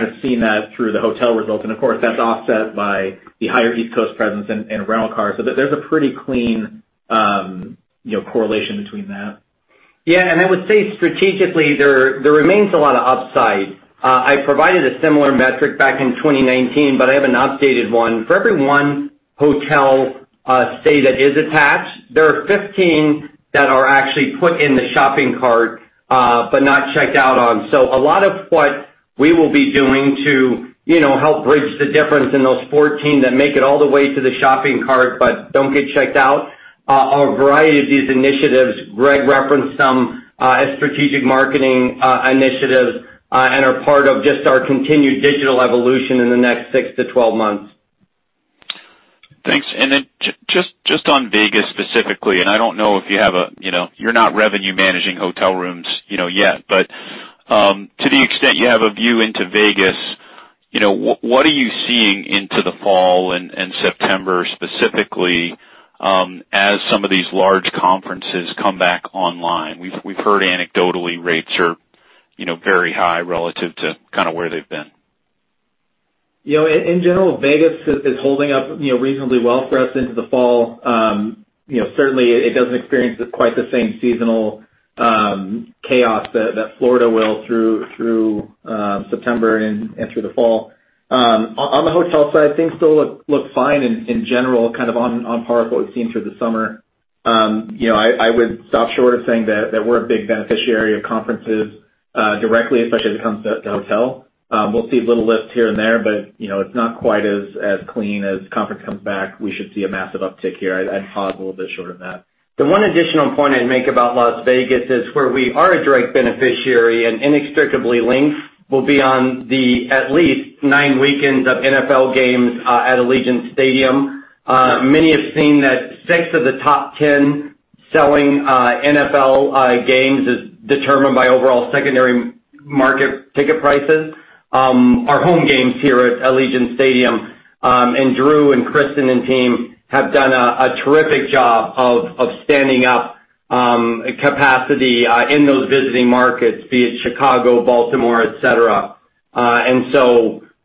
of seen that through the hotel results, and of course, that's offset by the higher East Coast presence in rental cars. There's a pretty clean correlation between that. I would say strategically, there remains a lot of upside. I provided a similar metric back in 2019, but I have an updated one. For every one hotel stay that is attached, there are 15 that are actually put in the shopping cart, but not checked out on. A lot of what we will be doing to help bridge the difference in those 14 that make it all the way to the shopping cart, but don't get checked out, are a variety of these initiatives. Greg referenced some as strategic marketing initiatives and are part of just our continued digital evolution in the next six to 12 months. Thanks. Just on Vegas specifically, I don't know if you have, you're not revenue managing hotel rooms yet, to the extent you have a view into Vegas, what are you seeing into the fall and September specifically, as some of these large conferences come back online? We've heard anecdotally rates are very high relative to kind of where they've been. In general, Vegas is holding up reasonably well for us into the fall. Certainly it doesn't experience quite the same seasonal chaos that Florida will through September and through the fall. On the hotel side, things still look fine in general, kind of on par with what we've seen through the summer. I would stop short of saying that we're a big beneficiary of conferences directly, especially when it comes to the hotel. We'll see little lifts here and there, but it's not quite as clean as conference comes back, we should see a massive uptick here. I'd pause a little bit short of that. The one additional point I'd make about Las Vegas is where we are a direct beneficiary and inextricably linked will be on the at least nine weekends of NFL games at Allegiant Stadium. Many have seen that six of the top 10 selling NFL games as determined by overall secondary market ticket prices are home games here at Allegiant Stadium. Drew and Kristen and team have done a terrific job of standing up capacity in those visiting markets, be it Chicago, Baltimore, et cetera.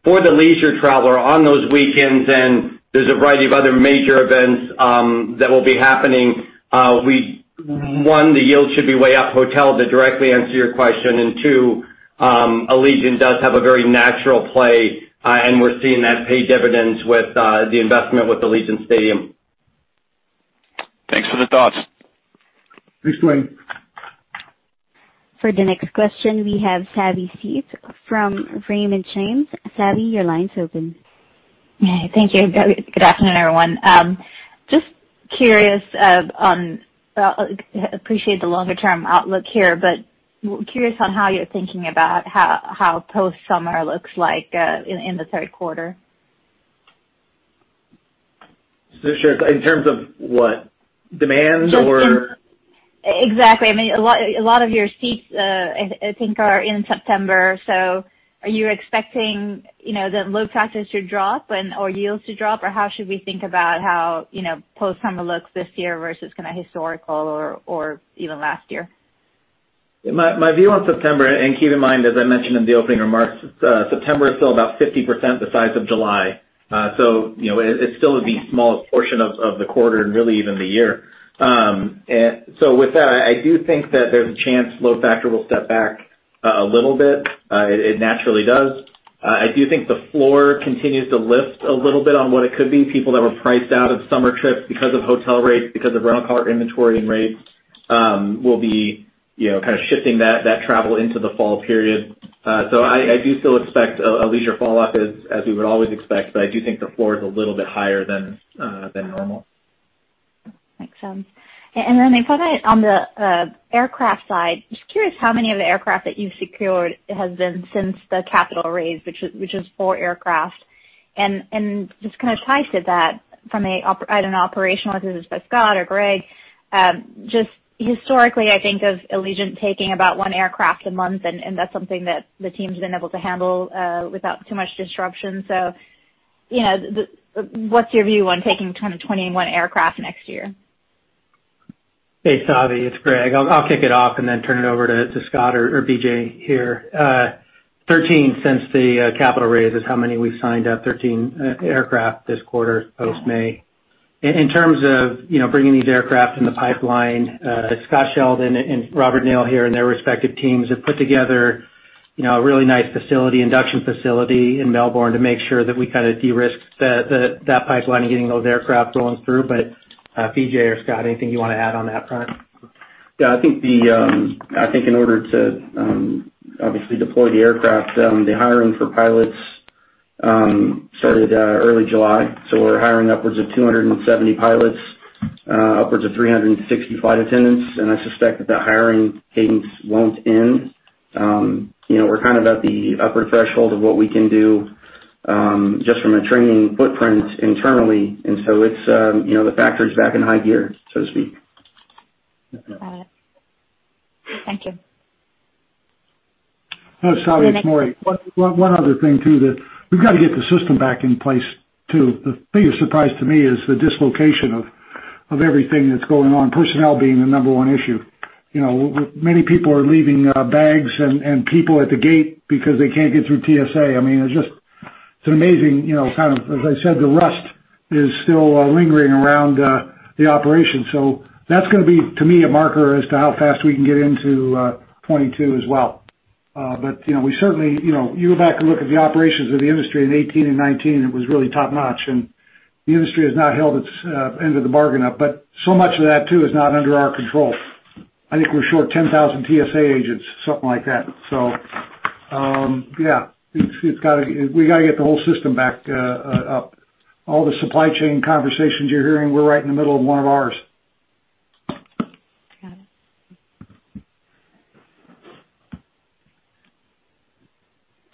For the leisure traveler on those weekends, and there's a variety of other major events that will be happening, one, the yield should be way up hotel, to directly answer your question. And two, Allegiant does have a very natural play, and we're seeing that pay dividends with the investment with Allegiant Stadium. Thanks for the thoughts. Thanks, Duane. For the next question, we have Savi Syth from Raymond James. Savi, your line's open. Yeah, thank you. Good afternoon, everyone. Appreciate the longer-term outlook here, but curious on how you're thinking about how post-summer looks like in the third quarter. Sure. In terms of what? Demand or- Exactly. I mean, a lot of your seats, I think, are in September, so are you expecting the load factors to drop and/or yields to drop? How should we think about how post-summer looks this year versus kind of historical or even last year? My view on September, keep in mind, as I mentioned in the opening remarks, September is still about 50% the size of July. It's still the smallest portion of the quarter and really even the year. With that, I do think that there's a chance load factor will step back a little bit. It naturally does. I do think the floor continues to lift a little bit on what it could be. People that were priced out of summer trips because of hotel rates, because of rental car inventory and rates, will be kind of shifting that travel into the fall period. I do still expect a leisure fall-up as we would always expect, I do think the floor is a little bit higher than normal. Makes sense. Maybe on the aircraft side, just curious how many of the aircraft that you've secured has been since the capital raise, which is four aircraft. Just kind of tied to that from an operational, whether this is Scott or Greg, just historically, I think of Allegiant taking about one aircraft a month, and that's something that the team's been able to handle without too much disruption. What's your view on taking kind of 21 aircraft next year? Hey, Savi, it's Greg. I'll kick it off and then turn it over to Scott or BJ here. 13 since the capital raise is how many we've signed up, 13 aircraft this quarter post-May. In terms of bringing these aircraft in the pipeline, Scott Sheldon and Robert Neal here and their respective teams have put together a really nice facility, induction facility in Melbourne to make sure that we kind of de-risk that pipeline and getting those aircraft rolling through. BJ or Scott, anything you want to add on that front? Yeah, I think in order to obviously deploy the aircraft, the hiring for pilots started early July. We're hiring upwards of 270 pilots, upwards of 360 flight attendants, and I suspect that that hiring cadence won't end. We're kind of at the upper threshold of what we can do, just from a training footprint internally, and so the factory's back in high gear, so to speak. Got it. Thank you. Savi, it's Maury. One other thing, too, that we've got to get the system back in place, too. The biggest surprise to me is the dislocation of everything that's going on, personnel being the number one issue. Many people are leaving bags and people at the gate because they can't get through TSA. I mean, it's an amazing As I said, the rust is still lingering around the operation. That's going to be, to me, a marker as to how fast we can get into 2022 as well. You go back and look at the operations of the industry in 2018 and 2019, it was really top-notch, and the industry has not held its end of the bargain up. So much of that, too, is not under our control. I think we're short 10,000 TSA agents, something like that. Yeah. We got to get the whole system back up. All the supply chain conversations you are hearing, we are right in the middle of one of ours.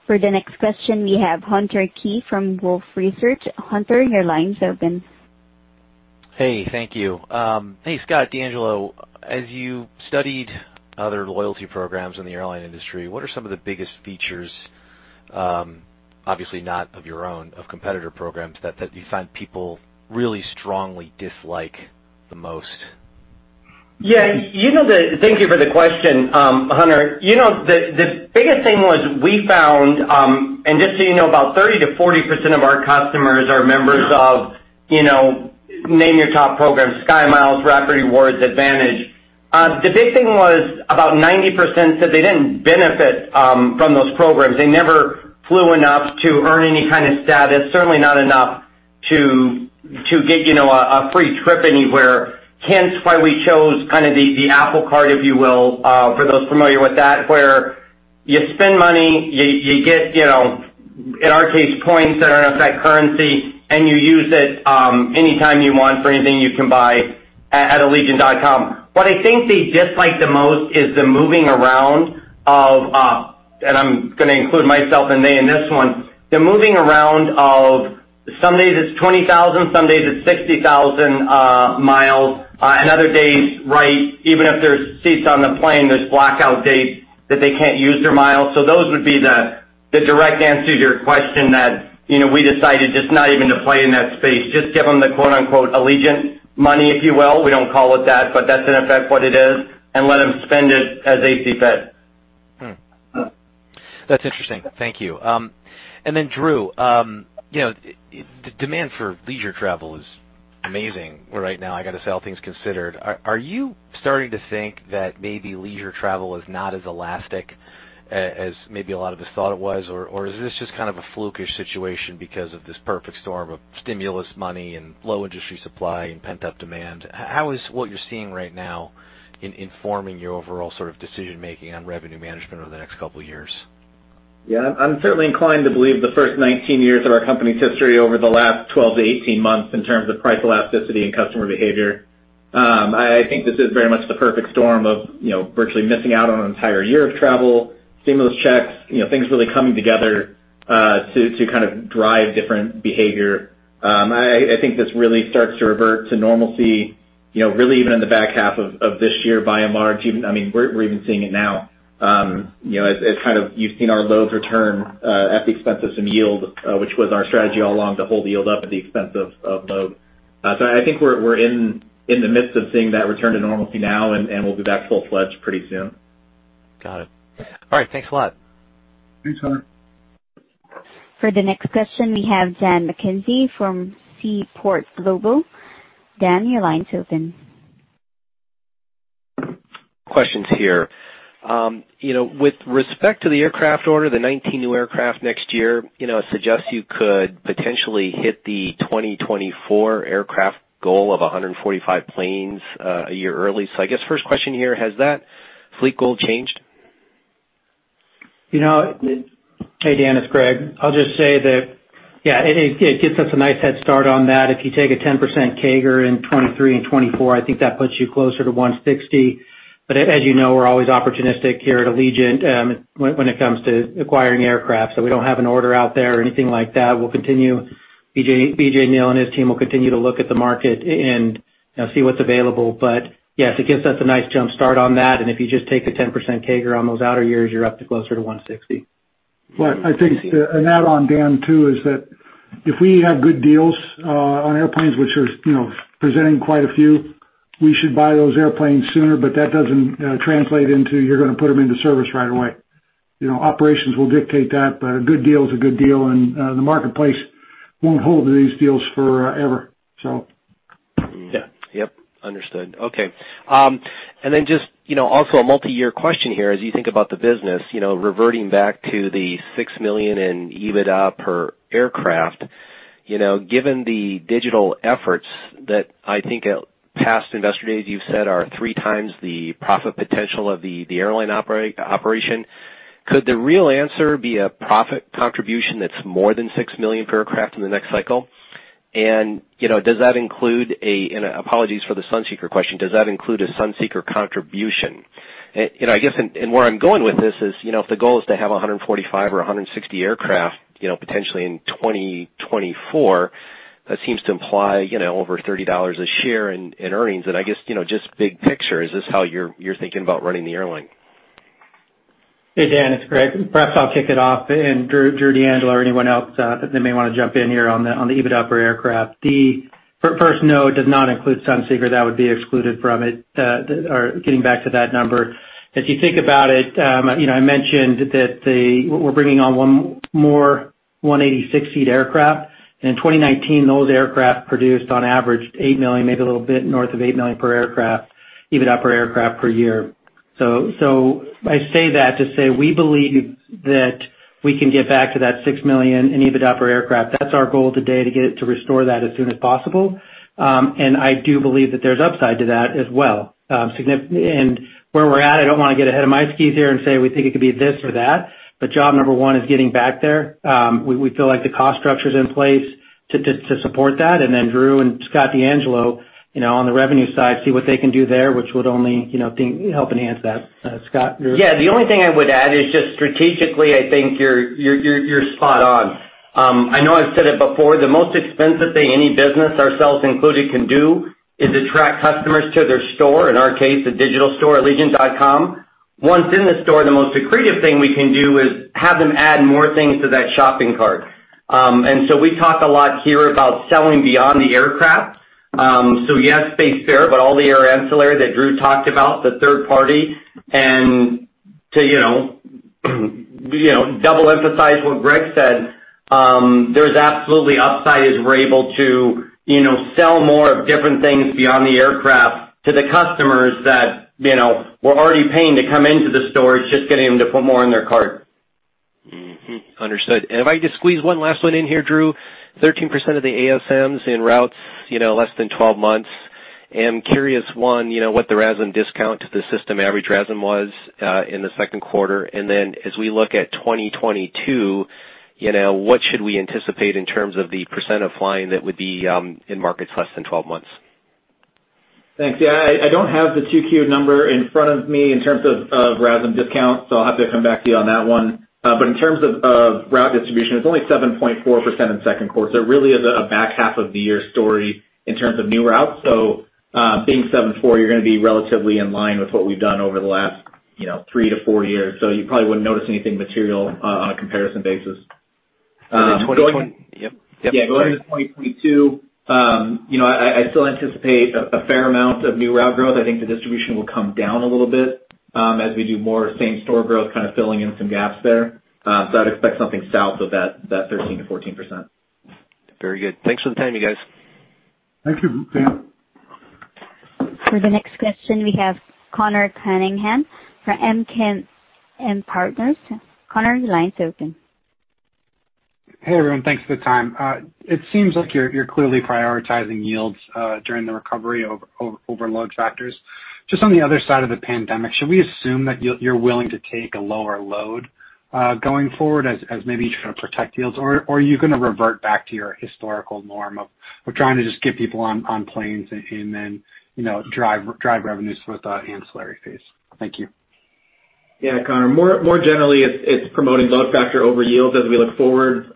Got it. For the next question, we have Hunter Keay from Wolfe Research. Hunter, your line's open. Hey, thank you. Hey, Scott DeAngelo. As you studied other loyalty programs in the airline industry, what are some of the biggest features, obviously not of your own, of competitor programs that you find people really strongly dislike the most? Thank you for the question, Hunter. The biggest thing was we found, just so you know, about 30%-40% of our customers are members of, name your top programs, SkyMiles, Rapid Rewards, AAdvantage. The big thing was about 90% said they didn't benefit from those programs. They never flew enough to earn any kind of status, certainly not enough to get a free trip anywhere. Why we chose kind of the Apple Card, if you will, for those familiar with that, where you spend money, you get, in our case, points that earn effect currency, and you use it anytime you want for anything you can buy at allegiant.com. What I think they dislike the most is the moving around of, and I'm going to include myself in this one, the moving around of some days it's 20,000, some days it's 60,000 miles, and other days, right, even if there's seats on the plane, there's blackout dates that they can't use their miles. Those would be the direct answer to your question that we decided just not even to play in that space, just give them the "Allegiant money," if you will. We don't call it that, but that's in effect what it is, and let them spend it as they see fit. That's interesting. Thank you. Then Drew, the demand for leisure travel is amazing right now, I got to say, all things considered. Are you starting to think that maybe leisure travel is not as elastic as maybe a lot of us thought it was, or is this just kind of a flukish situation because of this perfect storm of stimulus money and low industry supply and pent-up demand? How is what you're seeing right now informing your overall sort of decision-making on revenue management over the next couple of years? Yeah, I'm certainly inclined to believe the first 19 years of our company's history over the last 12 to 18 months in terms of price elasticity and customer behavior. I think this is very much the perfect storm of virtually missing out on an entire year of travel, stimulus checks, things really coming together to kind of drive different behavior. I think this really starts to revert to normalcy, really even in the back half of this year, by and large. We're even seeing it now, as kind of you've seen our loads return at the expense of some yield, which was our strategy all along, to hold yield up at the expense of load. I think we're in the midst of seeing that return to normalcy now, and we'll be back full-fledged pretty soon. Got it. All right. Thanks a lot. Thanks, Hunter. For the next question, we have Dan McKenzie from Seaport Global. Dan, your line's open. Questions here. With respect to the aircraft order, the 19 new aircraft next year, suggests you could potentially hit the 2024 aircraft goal of 145 planes a year early. I guess first question here, has that fleet goal changed? Hey, Dan, it's Greg. I'll just say that, yeah, it gets us a nice head start on that. If you take a 10% CAGR in 2023 and 2024, I think that puts you closer to 160. As you know, we're always opportunistic here at Allegiant when it comes to acquiring aircraft, so we don't have an order out there or anything like that. BJ and his team will continue to look at the market and see what's available. Yeah, it gives us a nice jumpstart on that, and if you just take a 10% CAGR on those outer years, you're up to closer to 160. Well, I think an add-on, Dan, too, is that if we have good deals on airplanes, which are presenting quite a few, we should buy those airplanes sooner, but that doesn't translate into you're going to put them into service right away. Operations will dictate that, a good deal is a good deal, and the marketplace won't hold these deals forever. Yep. Understood. Okay. Then just also a multi-year question here, as you think about the business, reverting back to the 6 million in EBITDA per aircraft. Given the digital efforts that I think at past Investor Days, you've said are 3x the profit potential of the airline operation, could the real answer be a profit contribution that's more than 6 million per aircraft in the next cycle? Does that include a Sunseeker contribution, and apologies for the Sunseeker question? I guess, where I'm going with this is, if the goal is to have 145 or 160 aircraft potentially in 2024, that seems to imply over $30 a share in earnings. I guess, just big picture, is this how you're thinking about running the airline? Hey, Dan, it's Greg. Perhaps I'll kick it off, and Drew, DeAngelo or anyone else that may want to jump in here on the EBITDA per aircraft. The first note does not include Sunseeker. That would be excluded from it, or getting back to that number. If you think about it, I mentioned that we're bringing on more 186-seat aircraft. In 2019, those aircraft produced on average $8 million, maybe a little bit north of $8 million per aircraft, EBITDA per aircraft per year. I say that to say we believe that we can get back to that $6 million in EBITDA per aircraft. That's our goal today, to restore that as soon as possible. I do believe that there's upside to that as well. Where we're at, I don't want to get ahead of my skis here and say we think it could be this or that, but job number one is getting back there. We feel like the cost structure's in place to support that, and then Drew and Scott DeAngelo, on the revenue side, see what they can do there, which would only help enhance that. Scott, you- Yeah, the only thing I would add is just strategically, I think you're spot on. I know I've said it before, the most expensive thing any business, ourselves included, can do is attract customers to their store, in our case, the digital store, allegiant.com. Once in the store, the most accretive thing we can do is have them add more things to that shopping cart. We talk a lot here about selling beyond the aircraft. So yes, base fare, but all the air ancillary that Drew talked about, the third party. To double emphasize what Greg said, there's absolutely upside as we're able to sell more of different things beyond the aircraft to the customers that were already paying to come into the stores, just getting them to put more in their cart. Mm-hmm. Understood. If I could just squeeze one last one in here, Drew, 13% of the ASMs in routes less than 12 months. I'm curious, one, what the RASM discount to the system average RASM was in the second quarter, and then as we look at 2022, what should we anticipate in terms of the % of flying that would be in markets less than 12 months? Thanks. Yeah, I don't have the 2Q number in front of me in terms of RASM discounts, I'll have to come back to you on that one. In terms of route distribution, it's only 7.4% in the second quarter, it really is a back half of the year story in terms of new routes. Being 7.4%, you're going to be relatively in line with what we've done over the last three to four years. You probably wouldn't notice anything material on a comparison basis. Was it 2020? Yep. Yeah. Going into 2022, I still anticipate a fair amount of new route growth. I think the distribution will come down a little bit as we do more same-store growth, kind of filling in some gaps there. I'd expect something south of that 13%-14%. Very good. Thanks for the time, you guys. Thank you. For the next question, we have Conor Cunningham from MKM Partners. Conor, your line is open. Hey, everyone. Thanks for the time. It seems like you're clearly prioritizing yields during the recovery over load factors. Just on the other side of the pandemic, should we assume that you're willing to take a lower load going forward as maybe to protect yields, or are you going to revert back to your historical norm of trying to just get people on planes and then drive revenues through the ancillary fees? Thank you. Yeah, Conor, more generally, it's promoting load factor over yields as we look forward.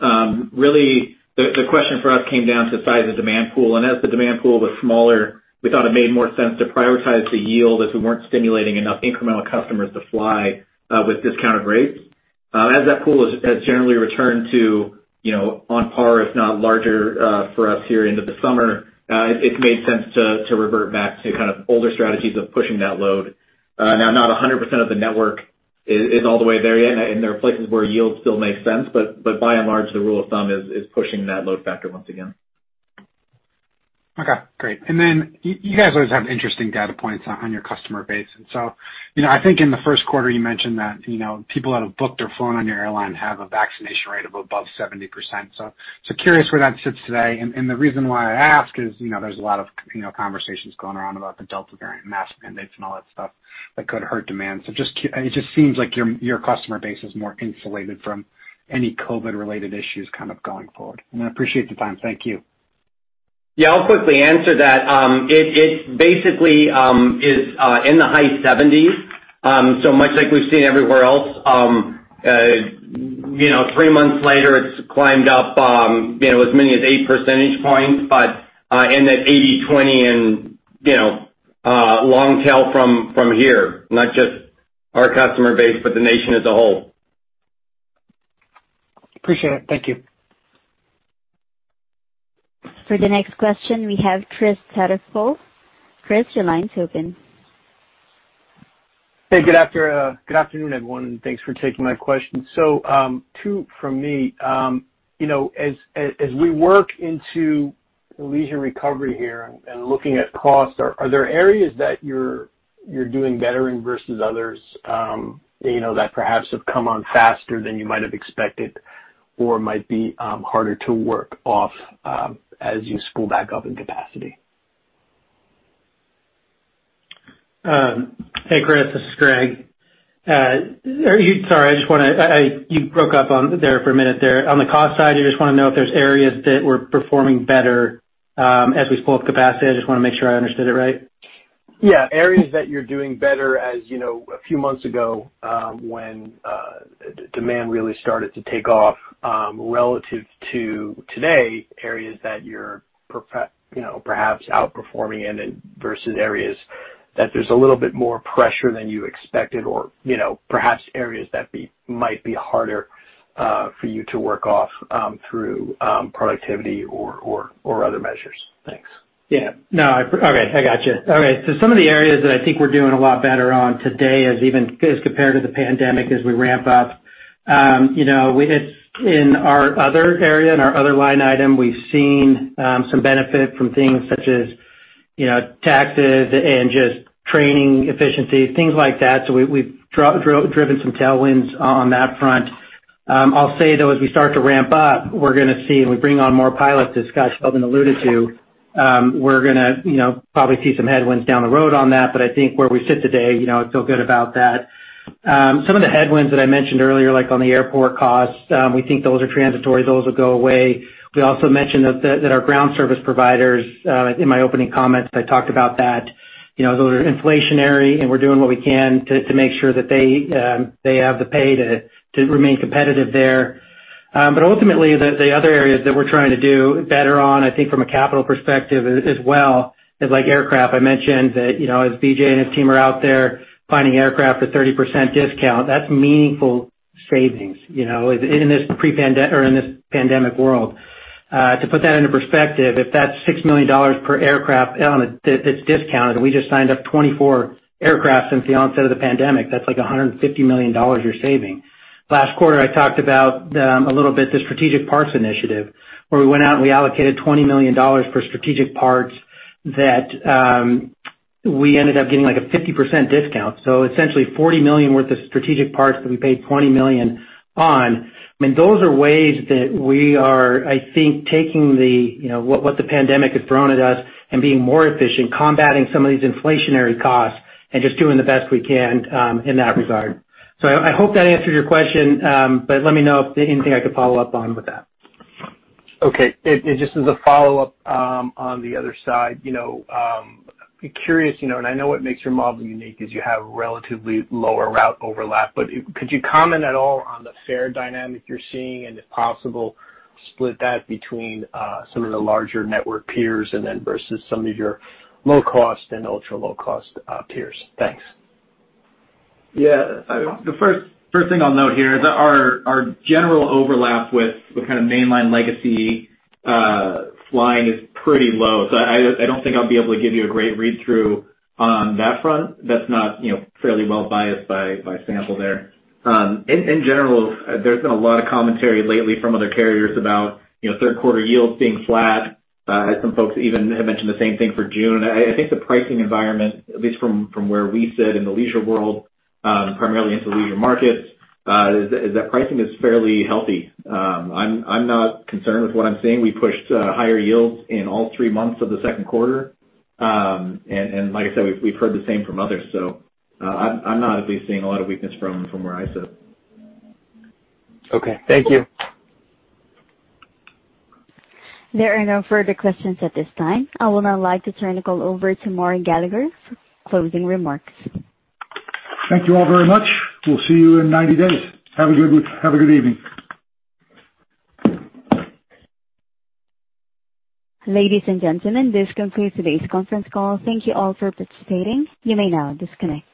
Really, the question for us came down to the size of demand pool, and as the demand pool was smaller, we thought it made more sense to prioritize the yield as we weren't stimulating enough incremental customers to fly with discounted rates. As that pool has generally returned to on par, if not larger for us here into the summer, it made sense to revert back to older strategies of pushing that load. Now, not 100% of the network is all the way there yet, and there are places where yields still make sense, but by and large, the rule of thumb is pushing that load factor once again. Okay, great. Then you guys always have interesting data points on your customer base. I think in the first quarter you mentioned that people that have booked or flown on your airline have a vaccination rate of above 70%. Curious where that sits today. The reason why I ask is there's a lot of conversations going around about the Delta variant, mask mandates, and all that stuff that could hurt demand. It just seems like your customer base is more insulated from any COVID-related issues going forward. I appreciate the time. Thank you. Yeah, I'll quickly answer that. It basically is in the high 70s, so much like we've seen everywhere else. Three months later, it's climbed up as many as eight percentage points, but in that 80/20 and long tail from here, not just our customer base, but the nation as a whole. Appreciate it. Thank you. For the next question, we have Chris Stathoulopoulos. Chris, your line's open. Hey, good afternoon, everyone, and thanks for taking my question. Two from me. As we work into leisure recovery here and looking at cost, are there areas that you're doing better in versus others that perhaps have come on faster than you might have expected or might be harder to work off as you spool back up in capacity? Hey, Chris, this is Greg. Sorry, you broke up on there for a minute there. On the cost side, you just want to know if there's areas that we're performing better as we spool up capacity. I just want to make sure I understood it right. Yeah. Areas that you're doing better. As you know, a few months ago, when demand really started to take off relative to today, areas that you're perhaps outperforming in versus areas that there's a little bit more pressure than you expected or perhaps areas that might be harder for you to work off through productivity or other measures. Thanks. Yeah. No. Okay, I got you. All right. Some of the areas that I think we're doing a lot better on today as compared to the pandemic as we ramp up. In our other area, in our other line item, we've seen some benefit from things such as taxes and just training efficiency, things like that. We've driven some tailwinds on that front. I'll say, though, as we start to ramp up, we're going to see, and we bring on more pilots, as Scott Sheldon alluded to, we're going to probably see some headwinds down the road on that. I think where we sit today, I feel good about that. Some of the headwinds that I mentioned earlier, like on the airport cost, we think those are transitory. Those will go away. We also mentioned that our ground service providers, in my opening comments, I talked about that. Those are inflationary, and we're doing what we can to make sure that they have the pay to remain competitive there. Ultimately, the other areas that we're trying to do better on, I think from a capital perspective as well is like aircraft. I mentioned that as BJ and his team are out there finding aircraft for 30% discount, that's meaningful savings in this pandemic world. To put that into perspective, if that's $6 million per aircraft that's discounted, and we just signed up 24 aircraft since the onset of the pandemic, that's like $150 million you're saving. Last quarter, I talked about a little bit the Strategic Parts Initiative, where we went out and we allocated $20 million for strategic parts that we ended up getting like a 50% discount. Essentially $40 million worth of strategic parts that we paid $20 million on. Those are ways that we are, I think, taking what the pandemic has thrown at us and being more efficient, combating some of these inflationary costs and just doing the best we can in that regard. I hope that answered your question. Let me know if there anything I could follow up on with that. Okay. Just as a follow-up on the other side. Curious, and I know what makes your model unique is you have relatively lower route overlap, but could you comment at all on the fare dynamic you're seeing and if possible split that between some of the larger network peers and then versus some of your low-cost and ULCC peers? Thanks. Yeah. The first thing I'll note here is that our general overlap with kind of mainline legacy flying is pretty low. I don't think I'll be able to give you a great read-through on that front. That's not fairly well biased by sample there. In general, there's been a lot of commentary lately from other carriers about third quarter yields being flat. Some folks even have mentioned the same thing for June. I think the pricing environment, at least from where we sit in the leisure world, primarily into leisure markets, is that pricing is fairly healthy. I'm not concerned with what I'm seeing. We pushed higher yields in all three months of the second quarter. Like I said, we've heard the same from others. I'm not at least seeing a lot of weakness from where I sit. Okay. Thank you. There are no further questions at this time. I would now like to turn the call over to Maury Gallagher for closing remarks. Thank you all very much. We'll see you in 90 days. Have a good evening. Ladies and gentlemen, this concludes today's conference call. Thank you all for participating. You may now disconnect.